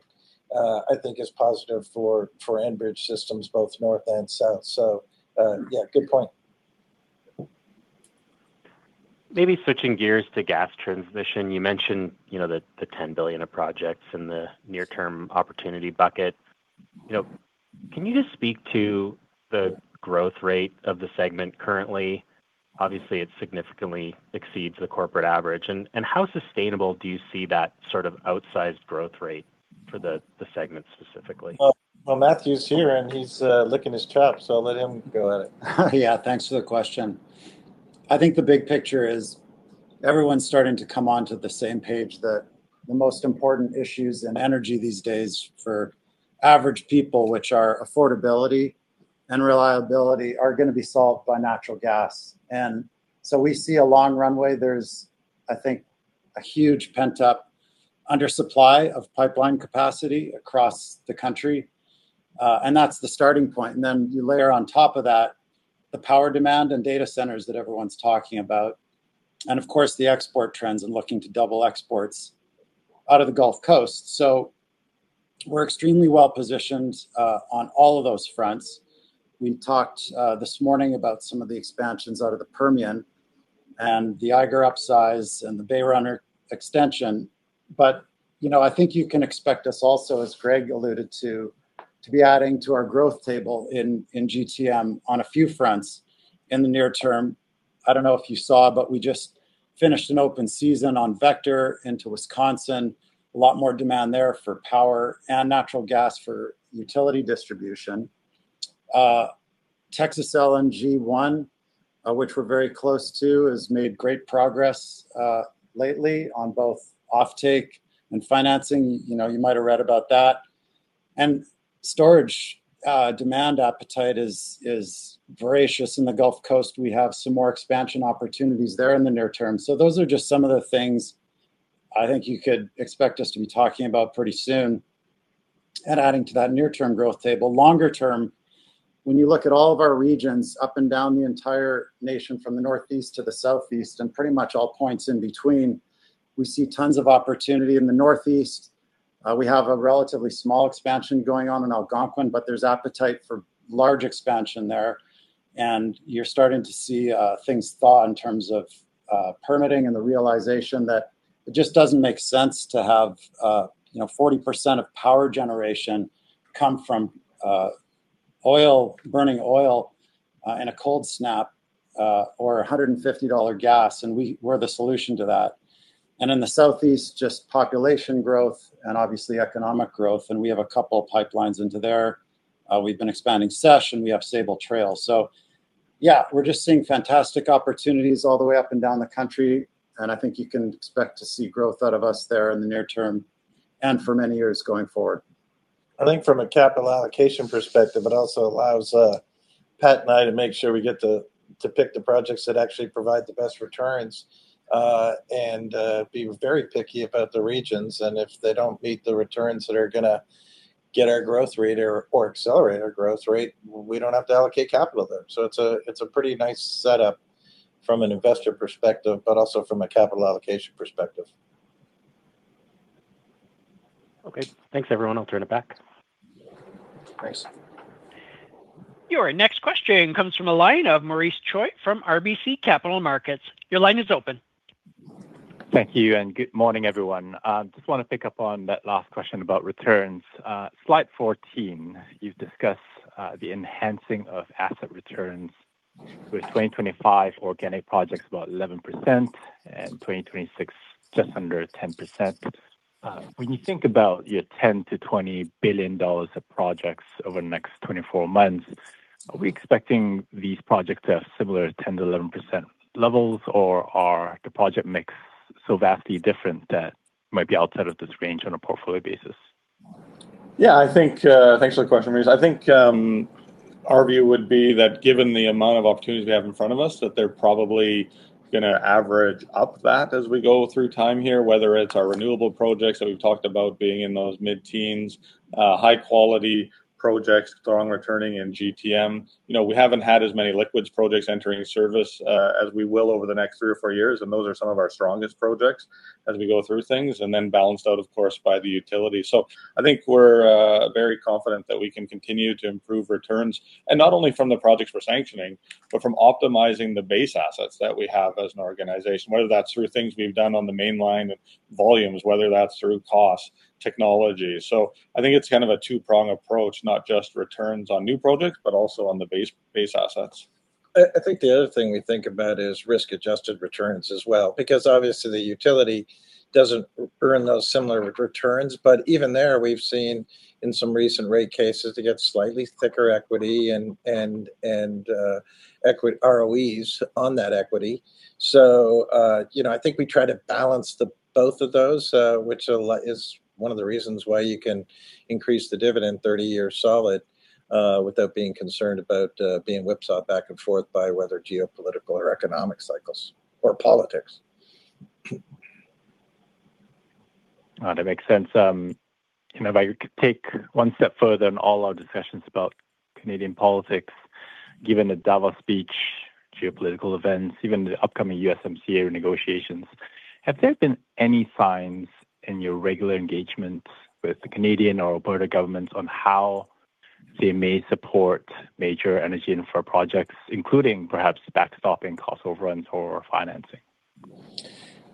I think is positive for, for Enbridge systems, both north and south. So, yeah, good point.... maybe switching gears to gas transmission. You mentioned, you know, the 10 billion of projects in the near-term opportunity bucket. You know, can you just speak to the growth rate of the segment currently? Obviously, it significantly exceeds the corporate average. And how sustainable do you see that sort of outsized growth rate for the segment specifically? Well, well, Matthew's here, and he's licking his chops, so I'll let him go at it. Yeah, thanks for the question. I think the big picture is everyone's starting to come onto the same page that the most important issues in energy these days for average people, which are affordability and reliability, are gonna be solved by natural gas. And so we see a long runway. There's, I think, a huge pent-up under supply of pipeline capacity across the country, and that's the starting point. And then you layer on top of that, the power demand and data centers that everyone's talking about, and of course, the export trends and looking to double exports out of the Gulf Coast. So we're extremely well-positioned, on all of those fronts. We talked, this morning about some of the expansions out of the Permian and the Eiger upsize and the Bay Runner extension. But, you know, I think you can expect us also, as Greg alluded to, to be adding to our growth table in GTM on a few fronts in the near term. I don't know if you saw, but we just finished an open season on Vector into Wisconsin. A lot more demand there for power and natural gas for utility distribution. Texas LNG one, which we're very close to, has made great progress lately on both offtake and financing. You know, you might have read about that. And storage demand appetite is voracious in the Gulf Coast. We have some more expansion opportunities there in the near term. So those are just some of the things I think you could expect us to be talking about pretty soon and adding to that near-term growth table. Longer term, when you look at all of our regions up and down the entire nation, from the Northeast to the Southeast, and pretty much all points in between, we see tons of opportunity. In the Northeast, we have a relatively small expansion going on in Algonquin, but there's appetite for large expansion there, and you're starting to see things thaw in terms of permitting and the realization that it just doesn't make sense to have, you know, 40% of power generation come from oil-burning oil in a cold snap or $150 gas, and we're the solution to that. In the Southeast, just population growth and obviously economic growth, and we have a couple of pipelines into there. We've been expanding SESH. We have Sabal Trail. So yeah, we're just seeing fantastic opportunities all the way up and down the country, and I think you can expect to see growth out of us there in the near term and for many years going forward. I think from a capital allocation perspective, it also allows, Pat and I to make sure we get to, to pick the projects that actually provide the best returns, and be very picky about the regions. And if they don't meet the returns that are gonna get our growth rate or, or accelerate our growth rate, we don't have to allocate capital there. So it's a, it's a pretty nice setup from an investor perspective, but also from a capital allocation perspective. Okay, thanks, everyone. I'll turn it back. Thanks. Your next question comes from a line of Maurice Choy from RBC Capital Markets. Your line is open. Thank you, and good morning, everyone. I just want to pick up on that last question about returns. Slide 14, you've discussed the enhancing of asset returns with 2025 organic projects, about 11%, and 2026, just under 10%. When you think about your $10 billion-$20 billion of projects over the next 24 months, are we expecting these projects to have similar 10%-11% levels, or are the project mix so vastly different that might be outside of this range on a portfolio basis? Yeah, I think... Thanks for the question, Maurice. I think, our view would be that given the amount of opportunities we have in front of us, that they're probably gonna average up that as we go through time here, whether it's our renewable projects that we've talked about being in those mid-teens, high quality projects, strong returning in GTM. You know, we haven't had as many liquids projects entering service, as we will over the next three or four years, and those are some of our strongest projects as we go through things, and then balanced out, of course, by the utility. So I think we're very confident that we can continue to improve returns, and not only from the projects we're sanctioning, but from optimizing the base assets that we have as an organization, whether that's through things we've done on the Mainline of volumes, whether that's through cost, technology. So I think it's kind of a two-prong approach, not just returns on new projects, but also on the base, base assets. I think the other thing we think about is risk-adjusted returns as well, because obviously, the utility doesn't earn those similar returns. But even there, we've seen in some recent rate cases to get slightly thicker equity and equity ROEs on that equity. So, you know, I think we try to balance the both of those, which a lot is one of the reasons why you can increase the dividend 30 years solid, without being concerned about being whipsawed back and forth by whether geopolitical or economic cycles or politics. That makes sense. If I could take one step further on all our discussions about Canadian politics, given the Davos speech, geopolitical events, even the upcoming USMCA negotiations, have there been any signs in your regular engagements with the Canadian or Alberta governments on how-... they may support major energy infra projects, including perhaps backstopping cost overruns or financing?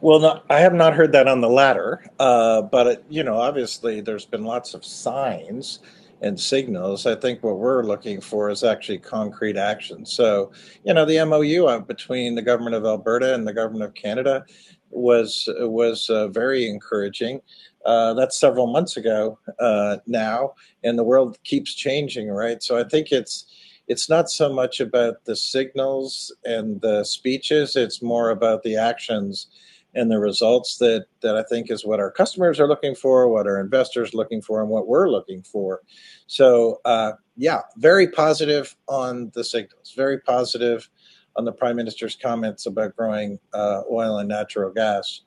Well, I have not heard that on the latter. But, you know, obviously there's been lots of signs and signals. I think what we're looking for is actually concrete action. So, you know, the MOU out between the government of Alberta and the government of Canada was very encouraging. That's several months ago, now, and the world keeps changing, right? So I think it's not so much about the signals and the speeches, it's more about the actions and the results that I think is what our customers are looking for, what our investors are looking for, and what we're looking for. So, yeah, very positive on the signals. Very positive on the Prime Minister's comments about growing oil and natural gas.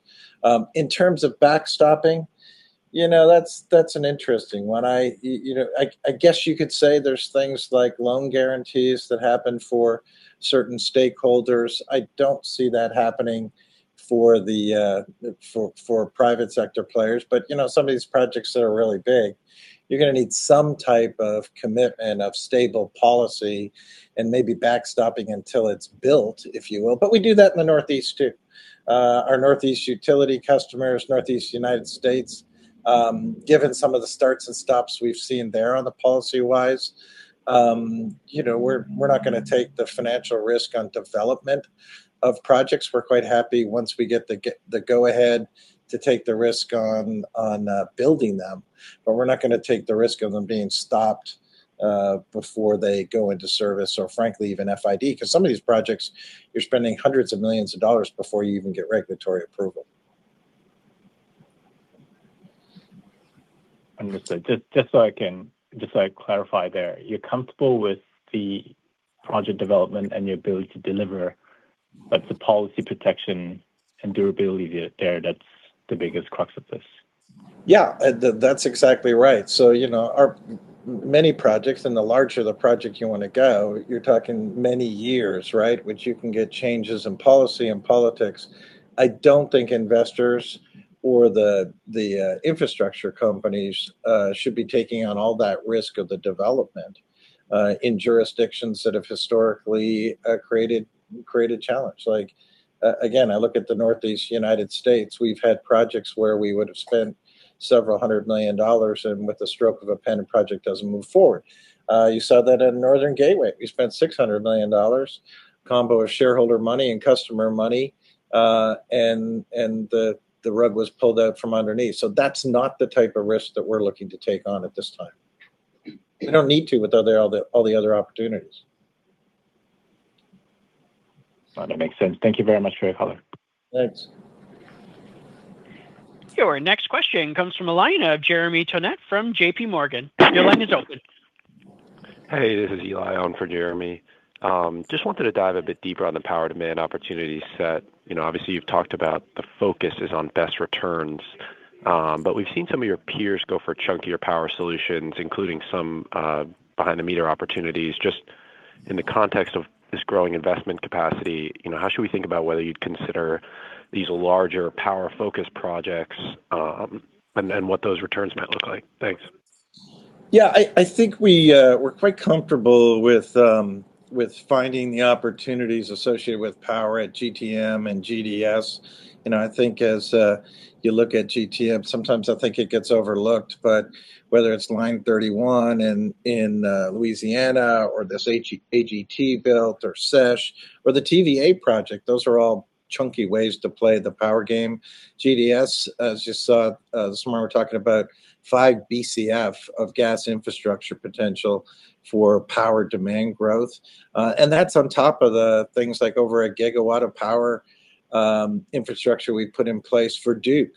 In terms of backstopping, you know, that's an interesting one. You know, I guess you could say there's things like loan guarantees that happen for certain stakeholders. I don't see that happening for the, for private sector players, but, you know, some of these projects that are really big, you're gonna need some type of commitment of stable policy and maybe backstopping until it's built, if you will. But we do that in the Northeast, too. Our Northeast utility customers, Northeast United States, given some of the starts and stops we've seen there on the policy-wise, you know, we're not gonna take the financial risk on development of projects. We're quite happy once we get the go-ahead to take the risk on building them, but we're not gonna take the risk of them being stopped before they go into service or frankly, even FID. 'Cause some of these projects, you're spending $hundreds of millions before you even get regulatory approval. Understood. Just so I can clarify there, you're comfortable with the project development and your ability to deliver, but the policy protection and durability there, that's the biggest crux of this? Yeah, that's exactly right. So, you know, our many projects, and the larger the project you wanna go, you're talking many years, right? Which you can get changes in policy and politics. I don't think investors or the infrastructure companies should be taking on all that risk of the development in jurisdictions that have historically created challenge. Like, again, I look at the Northeast United States, we've had projects where we would have spent $several hundred million, and with the stroke of a pen, the project doesn't move forward. You saw that in Northern Gateway. We spent 600 million dollars, combo of shareholder money and customer money, and the rug was pulled out from underneath. So that's not the type of risk that we're looking to take on at this time. We don't need to, with all the other opportunities. Well, that makes sense. Thank you very much for your color. Thanks. Your next question comes from a line of Jeremy Tonet from JP Morgan. Your line is open. Hey, this is Eli on for Jeremy. Just wanted to dive a bit deeper on the power demand opportunity set. You know, obviously, you've talked about the focus is on best returns, but we've seen some of your peers go for chunkier power solutions, including some behind-the-meter opportunities. Just in the context of this growing investment capacity, you know, how should we think about whether you'd consider these larger power-focused projects, and what those returns might look like? Thanks. Yeah, I think we're quite comfortable with finding the opportunities associated with power at GTM and GDS. You know, I think as you look at GTM, sometimes I think it gets overlooked, but whether it's Line 31 in Louisiana or this AGT build or SESH or the TVA project, those are all chunky ways to play the power game. GDS, as you saw this morning, we're talking about 5 BCF of gas infrastructure potential for power demand growth. And that's on top of the things like over 1 gigawatt of power infrastructure we put in place for Duke.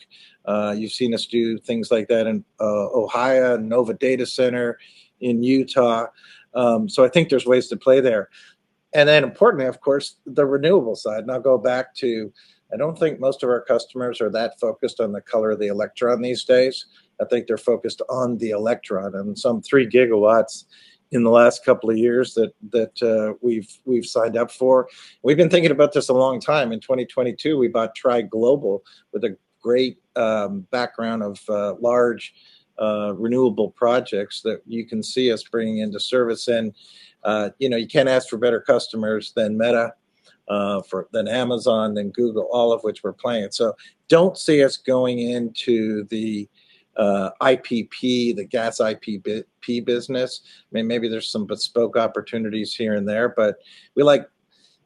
You've seen us do things like that in Ohio, Novva Data Center in Utah. So I think there's ways to play there. And then importantly, of course, the renewable side. I'll go back to, I don't think most of our customers are that focused on the color of the electron these days. I think they're focused on the electron and some 3 gigawatts in the last couple of years that we've signed up for. We've been thinking about this a long time. In 2022, we bought Tri Global with a great background of large renewable projects that you can see us bringing into service. You know, you can't ask for better customers than Meta than Amazon, than Google, all of which we're playing. So don't see us going into the IPP, the gas IPP business. I mean, maybe there's some bespoke opportunities here and there, but we like,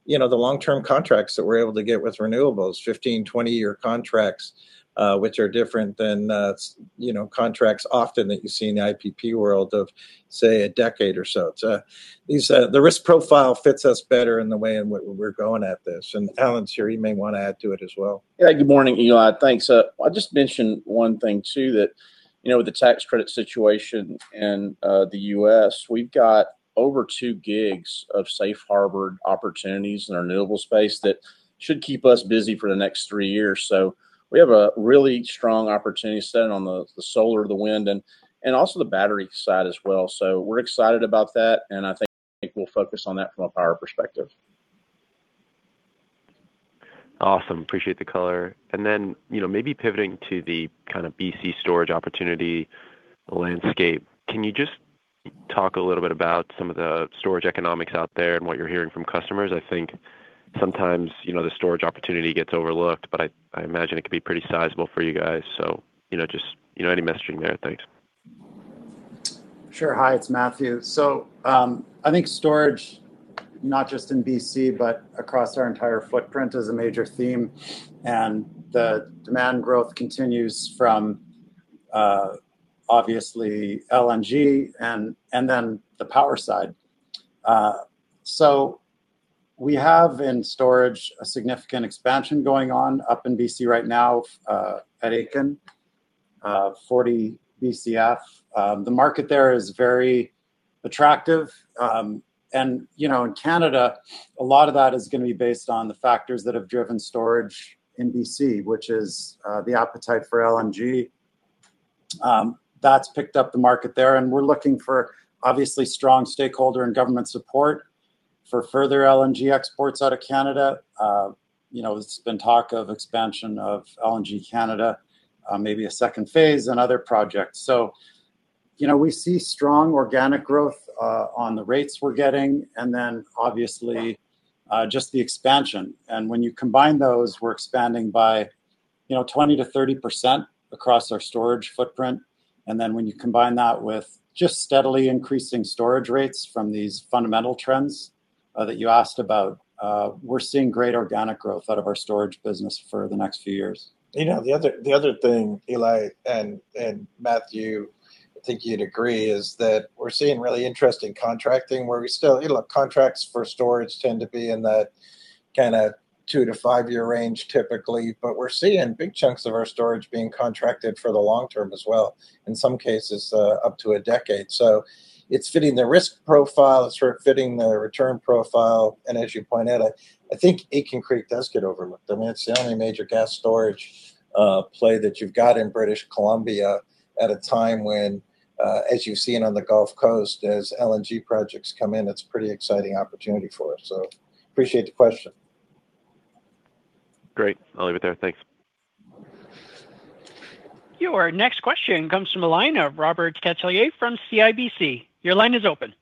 you know, the long-term contracts that we're able to get with renewables, 15-, 20-year contracts, which are different than, you know, contracts often that you see in the IPP world of, say, a decade or so. So these, the risk profile fits us better in the way in which we're going at this. And Allen's here, he may wanna add to it as well. Yeah. Good morning, Eli. Thanks. I'll just mention one thing, too, that, you know, with the tax credit situation in the U.S., we've got over two gigs of safe harbored opportunities in our renewable space that should keep us busy for the next three years. So we have a really strong opportunity set on the, the solar, the wind, and, and also the battery side as well. So we're excited about that, and I think we'll focus on that from a power perspective.... Awesome. Appreciate the color. And then, you know, maybe pivoting to the kind of BC storage opportunity landscape, can you just talk a little bit about some of the storage economics out there and what you're hearing from customers? I think sometimes, you know, the storage opportunity gets overlooked, but I, I imagine it could be pretty sizable for you guys. So, you know, just, you know, any messaging there? Thanks. Sure. Hi, it's Matthew. So, I think storage, not just in BC, but across our entire footprint, is a major theme, and the demand growth continues from, obviously LNG and, and then the power side. So we have in storage a significant expansion going on up in BC right now, at Aitken, 40 BCF. The market there is very attractive. And, you know, in Canada, a lot of that is gonna be based on the factors that have driven storage in BC, which is, the appetite for LNG. That's picked up the market there, and we're looking for obviously strong stakeholder and government support for further LNG exports out of Canada. You know, there's been talk of expansion of LNG Canada, maybe a second phase and other projects. So, you know, we see strong organic growth on the rates we're getting, and then obviously just the expansion. And when you combine those, we're expanding by, you know, 20%-30% across our storage footprint. And then when you combine that with just steadily increasing storage rates from these fundamental trends that you asked about, we're seeing great organic growth out of our storage business for the next few years. You know, the other, the other thing, Eli, and, and Matthew, I think you'd agree, is that we're seeing really interesting contracting, where we still... Look, contracts for storage tend to be in that kinda two- to five-year range, typically. But we're seeing big chunks of our storage being contracted for the long term as well, in some cases, up to a decade. So it's fitting the risk profile, it's sort of fitting the return profile, and as you point out, I, I think Aitken Creek does get overlooked. I mean, it's the only major gas storage play that you've got in British Columbia at a time when, as you've seen on the Gulf Coast, as LNG projects come in, it's pretty exciting opportunity for us. So appreciate the question. Great. I'll leave it there. Thanks. Your next question comes from the line of Robert Catellier from CIBC. Your line is open.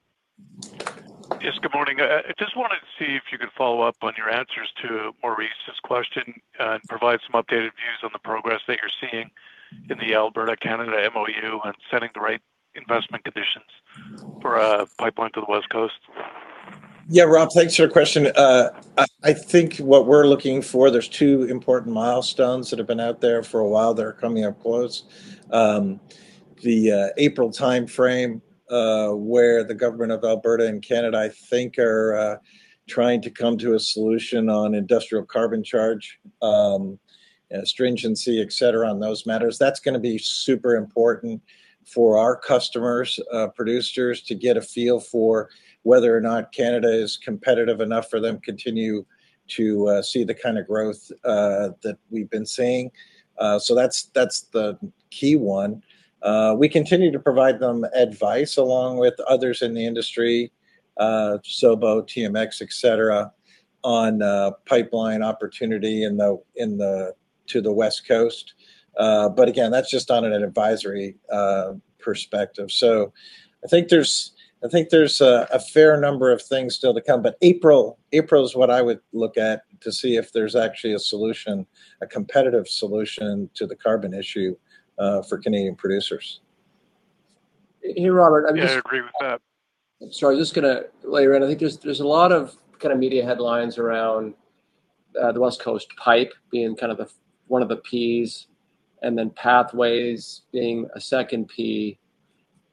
Yes, good morning. I just wanted to see if you could follow up on your answers to Maurice's question, and provide some updated views on the progress that you're seeing in the Alberta, Canada MoU on setting the right investment conditions for a pipeline to the West Coast? Yeah, Rob, thanks for your question. I think what we're looking for, there's two important milestones that have been out there for a while that are coming up close. The April timeframe, where the government of Alberta and Canada, I think, are trying to come to a solution on industrial carbon charge, and stringency, et cetera, on those matters. That's gonna be super important for our customers, producers, to get a feel for whether or not Canada is competitive enough for them to continue to see the kind of growth that we've been seeing. So that's the key one. We continue to provide them advice, along with others in the industry, SOBO, TMX, et cetera, on pipeline opportunity in the to the West Coast. But again, that's just on an advisory perspective. So I think there's a fair number of things still to come, but April is what I would look at to see if there's actually a solution, a competitive solution to the carbon issue for Canadian producers. Hey, Robert, I'm just- Yeah, I agree with that. Sorry, I'm just gonna weigh in. I think there's a lot of kind of media headlines around the West Coast pipe being kind of one of the Ps, and then pathways being a second P.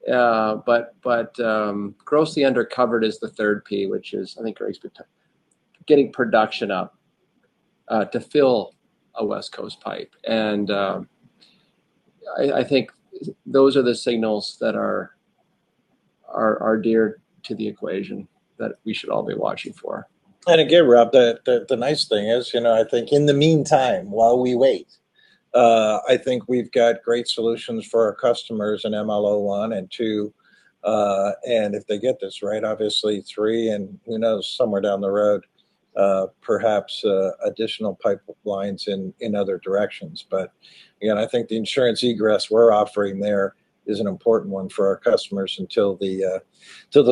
But grossly undercovered is the third P, which is, I think, getting production up to fill a West Coast pipe. And I think those are the signals that are dear to the equation that we should all be watching for. And again, Rob, the nice thing is, you know, I think in the meantime, while we wait, I think we've got great solutions for our customers in MLO 1 and 2. And if they get this right, obviously 3, and who knows, somewhere down the road, perhaps additional pipelines in other directions. But again, I think the insurance egress we're offering there is an important one for our customers until the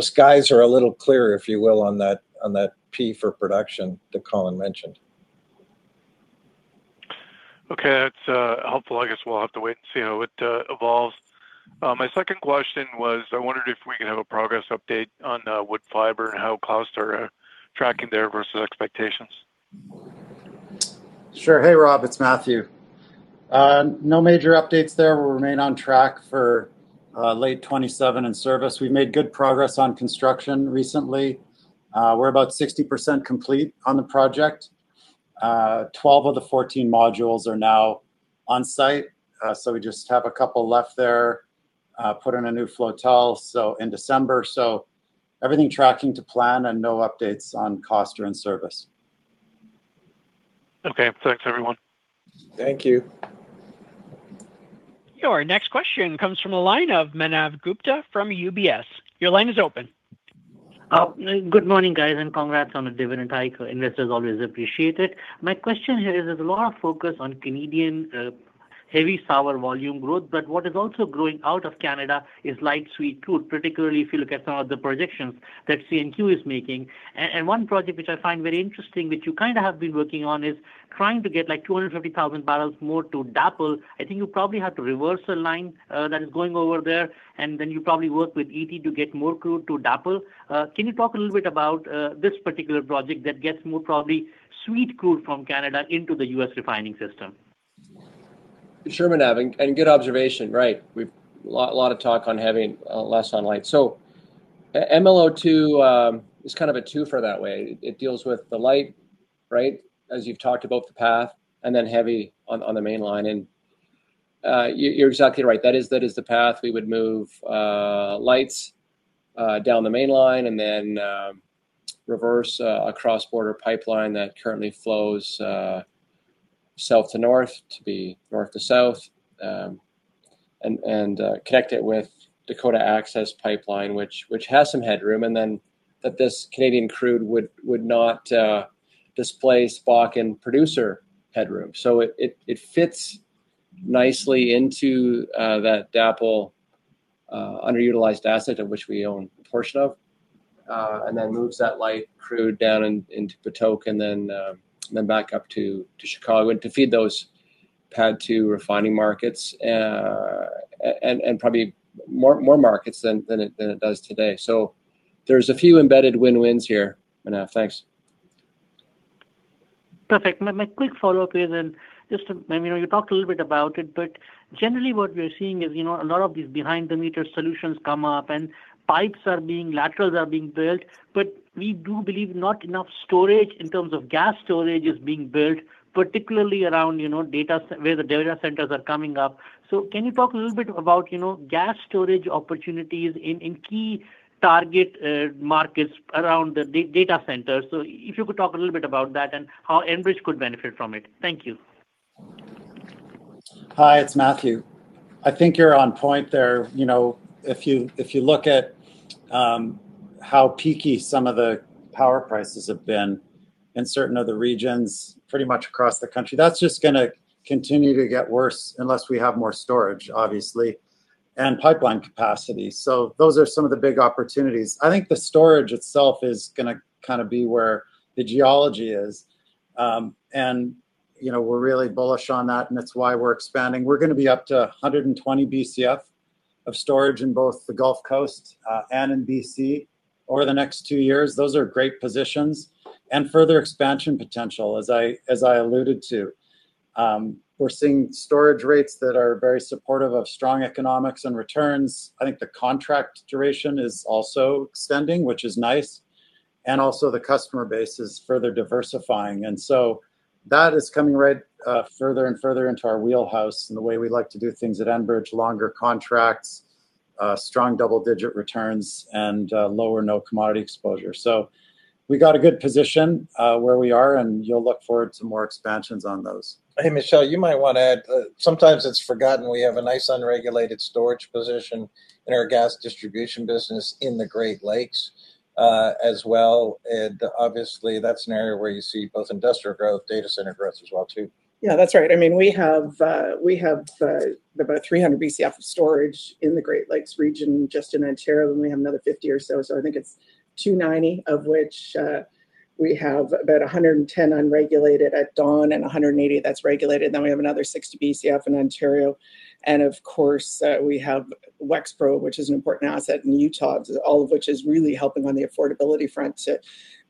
skies are a little clearer, if you will, on that P for production that Colin mentioned. Okay, that's helpful. I guess we'll have to wait and see how it evolves. My second question was, I wondered if we could have a progress update on Woodfibre and how costs are tracking there versus expectations? Sure. Hey, Rob, it's Matthew. No major updates there. We remain on track for late 2027 in service. We made good progress on construction recently. We're about 60% complete on the project. 12 of the 14 modules are now on site, so we just have a couple left there. Put in a new flotel, so in December. So everything tracking to plan, and no updates on cost or in service. Okay. Thanks, everyone. Thank you. Your next question comes from the line of Manav Gupta from UBS. Your line is open. Good morning, guys, and congrats on the dividend hike. Investors always appreciate it. My question here is, there's a lot of focus on Canadian heavy sour volume growth, but what is also growing out of Canada is light sweet crude, particularly if you look at some of the projections that CNQ is making. And one project which I find very interesting, which you kind of have been working on, is trying to get, like, 250,000 barrels more to DAPL. I think you probably have to reverse a line that is going over there, and then you probably work with ET to get more crude to DAPL. Can you talk a little bit about this particular project that gets more, probably, sweet crude from Canada into the U.S. refining system? Sure, Manav, good observation. Right, we've had a lot of talk on having less light. So MLO 2 is kind of a twofer that way. It deals with the light, right? As you've talked about the path, and then heavy on the Mainline. And, you're exactly right. That is the path we would move lights down the Mainline and then reverse a cross-border pipeline that currently flows south to north to be north to south, and connect it with Dakota Access Pipeline, which has some headroom, and then this Canadian crude would not displace Bakken producer headroom. So it fits nicely into that DAPL underutilized asset of which we own a portion of, and then moves that light crude down into Patoka and then back up to Chicago and to feed those PADD II refining markets, and probably more markets than it does today. So there's a few embedded win-wins here, Manav. Thanks. Perfect. My quick follow-up is then, just to... I mean, you talked a little bit about it, but generally, what we're seeing is, you know, a lot of these behind-the-meter solutions come up and laterals are being built. But we do believe not enough storage, in terms of gas storage, is being built, particularly around, you know, data centers where the data centers are coming up. So can you talk a little bit about, you know, gas storage opportunities in key target markets around the data centers? So if you could talk a little bit about that and how Enbridge could benefit from it. Thank you. Hi, it's Matthew. I think you're on point there. You know, if you look at how peaky some of the power prices have been in certain other regions, pretty much across the country, that's just gonna continue to get worse unless we have more storage, obviously, and pipeline capacity. So those are some of the big opportunities. I think the storage itself is gonna kind of be where the geology is. And, you know, we're really bullish on that, and that's why we're expanding. We're gonna be up to 120 BCF of storage in both the Gulf Coast and in BC over the next two years. Those are great positions and further expansion potential, as I alluded to. We're seeing storage rates that are very supportive of strong economics and returns. I think the contract duration is also extending, which is nice, and also the customer base is further diversifying. And so that is coming right, further and further into our wheelhouse and the way we like to do things at Enbridge: longer contracts, strong double-digit returns, and, low or no commodity exposure. So we got a good position, where we are, and you'll look forward to more expansions on those. Hey, Michele, you might wanna add, sometimes it's forgotten we have a nice unregulated storage position in our gas distribution business in the Great Lakes, as well. And obviously, that's an area where you see both industrial growth, data center growth as well, too. Yeah, that's right. I mean, we have about 300 BCF of storage in the Great Lakes region just in Ontario, and we have another 50 or so. So I think it's 290, of which we have about 110 unregulated at Dawn and 180 that's regulated. Then we have another 60 BCF in Ontario, and of course, we have Wexpro, which is an important asset in Utah, all of which is really helping on the affordability front. To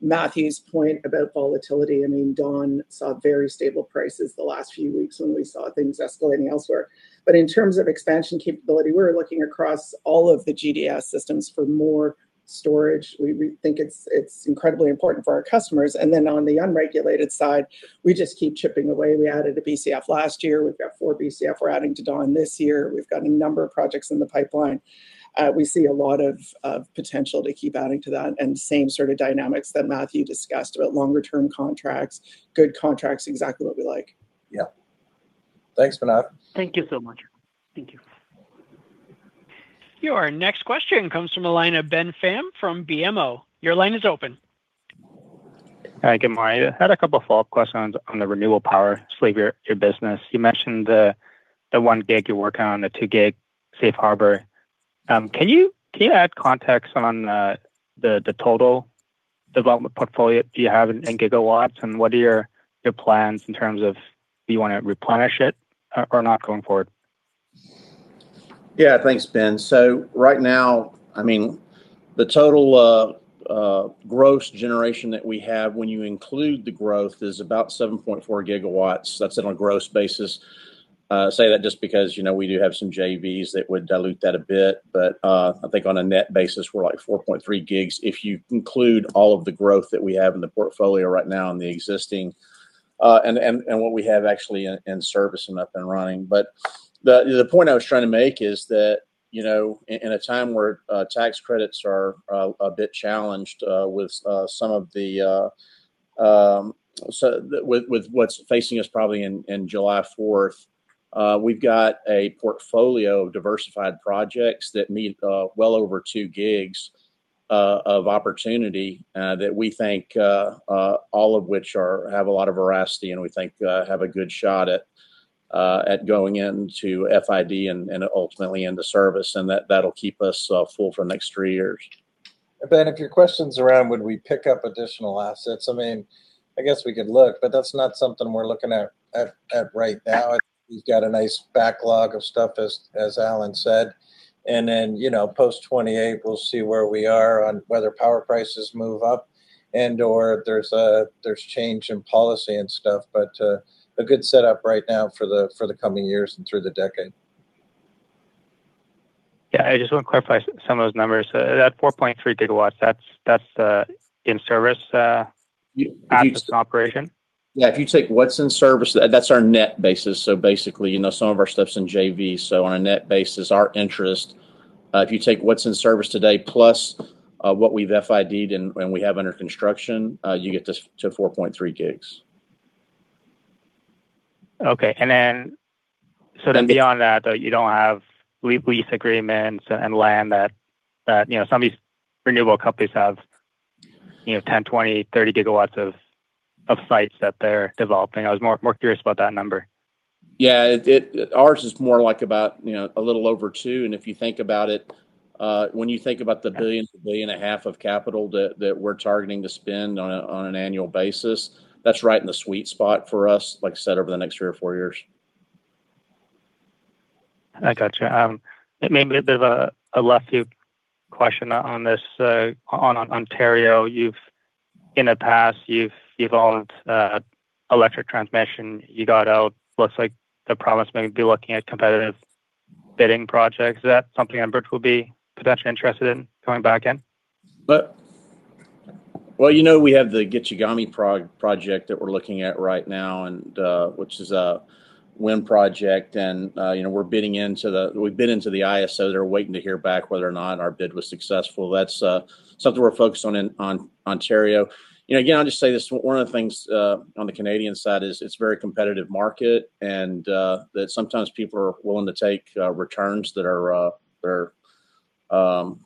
Matthew's point about volatility, I mean, Dawn saw very stable prices the last few weeks when we saw things escalating elsewhere. But in terms of expansion capability, we're looking across all of the GDS systems for more storage. We think it's incredibly important for our customers. And then on the unregulated side, we just keep chipping away. We added 1 BCF last year. We've got 4 BCF we're adding to Dawn this year. We've got a number of projects in the pipeline. We see a lot of, of potential to keep adding to that, and the same sort of dynamics that Matthew discussed about longer-term contracts, good contracts, exactly what we like. Yeah. Thanks, Manav. Thank you so much. Thank you. Your next question comes from the line of Ben Pham from BMO. Your line is open. Hi, good morning. I had a couple of follow-up questions on the renewable power sleeve, your business. You mentioned the 1 gig you're working on, the 2 gig, Safe Harbor. Can you add context on the total development portfolio you have in gigawatts, and what are your plans in terms of, do you wanna replenish it or not, going forward? Yeah, thanks, Ben. So right now, I mean, the total gross generation that we have when you include the growth is about 7.4 gigawatts. That's on a gross basis. Say that just because, you know, we do have some JVs that would dilute that a bit. But I think on a net basis, we're, like, 4.3 gigs, if you include all of the growth that we have in the portfolio right now and the existing and what we have actually in service and up and running. But the point I was trying to make is that, you know, in a time where tax credits are a bit challenged with some of the... So with, with what's facing us probably in, in July 4th, we've got a portfolio of diversified projects that meet, well over 2 gigs, of opportunity, that we think, all of which have a lot of veracity and we think, have a good shot at, at going into FID and, and ultimately into service, and that, that'll keep us, full for the next 3 years. Ben, if your question's around would we pick up additional assets? I mean, I guess we could look, but that's not something we're looking at right now. We've got a nice backlog of stuff, as Allen said. And then, you know, post-2028, we'll see where we are on whether power prices move up and/or there's change in policy and stuff. But a good setup right now for the coming years and through the decade. Yeah, I just want to clarify some of those numbers. That 4.3 gigawatts, that's in service. You- Assets operation? Yeah, if you take what's in service, that's our net basis. So basically, you know, some of our stuff's in JV, so on a net basis, our interest, if you take what's in service today plus what we've FID-ed and we have under construction, you get to 4.3 gigs. Okay. And then, so then beyond that, though, you don't have lease agreements and land that, you know, some of these renewable companies have, you know, 10, 20, 30 gigawatts of sites that they're developing. I was more curious about that number. Yeah. Ours is more like about, you know, a little over 2. And if you think about it, when you think about the 1 billion-1.5 billion of capital that we're targeting to spend on an annual basis, that's right in the sweet spot for us, like I said, over the next 3 or 4 years. I gotcha. Maybe there's a last few questions on this, on Ontario. In the past, you've involved electric transmission. You got out. Looks like the province may be looking at competitive bidding projects. Is that something Enbridge will be potentially interested in coming back in? Well, well, you know, we have the Gichigami project that we're looking at right now, and, which is a wind project. And, you know, we've bid into the ISO. They're waiting to hear back whether or not our bid was successful. That's, something we're focused on in, on Ontario. You know, again, I'll just say this, one of the things, on the Canadian side is it's a very competitive market, and, that sometimes people are willing to take, returns that are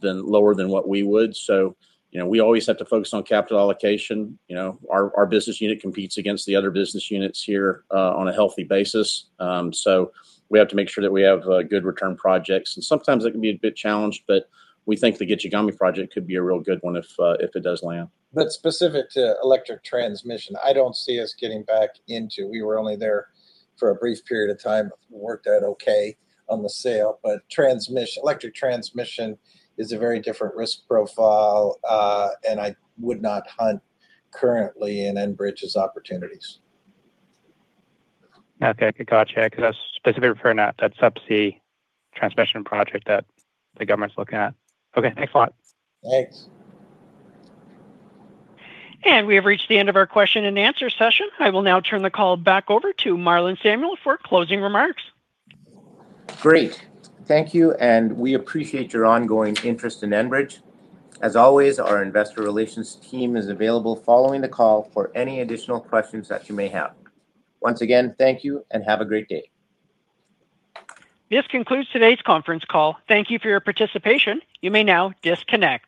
lower than what we would. So, you know, we always have to focus on capital allocation. You know, our business unit competes against the other business units here, on a healthy basis. So we have to make sure that we have, good return projects. Sometimes that can be a bit challenged, but we think the Gichigami project could be a real good one if it does land. Specific to electric transmission, I don't see us getting back into. We were only there for a brief period of time. It worked out okay on the sale, but transmission, electric transmission is a very different risk profile, and I would not hunt currently in Enbridge's opportunities. Okay, gotcha, 'cause I was specifically referring to that sub C transmission project that the government's looking at. Okay, thanks a lot. Thanks. We have reached the end of our question and answer session. I will now turn the call back over to Marlon Samuel for closing remarks. Great. Thank you, and we appreciate your ongoing interest in Enbridge. As always, our investor relations team is available following the call for any additional questions that you may have. Once again, thank you and have a great day. This concludes today's conference call. Thank you for your participation. You may now disconnect.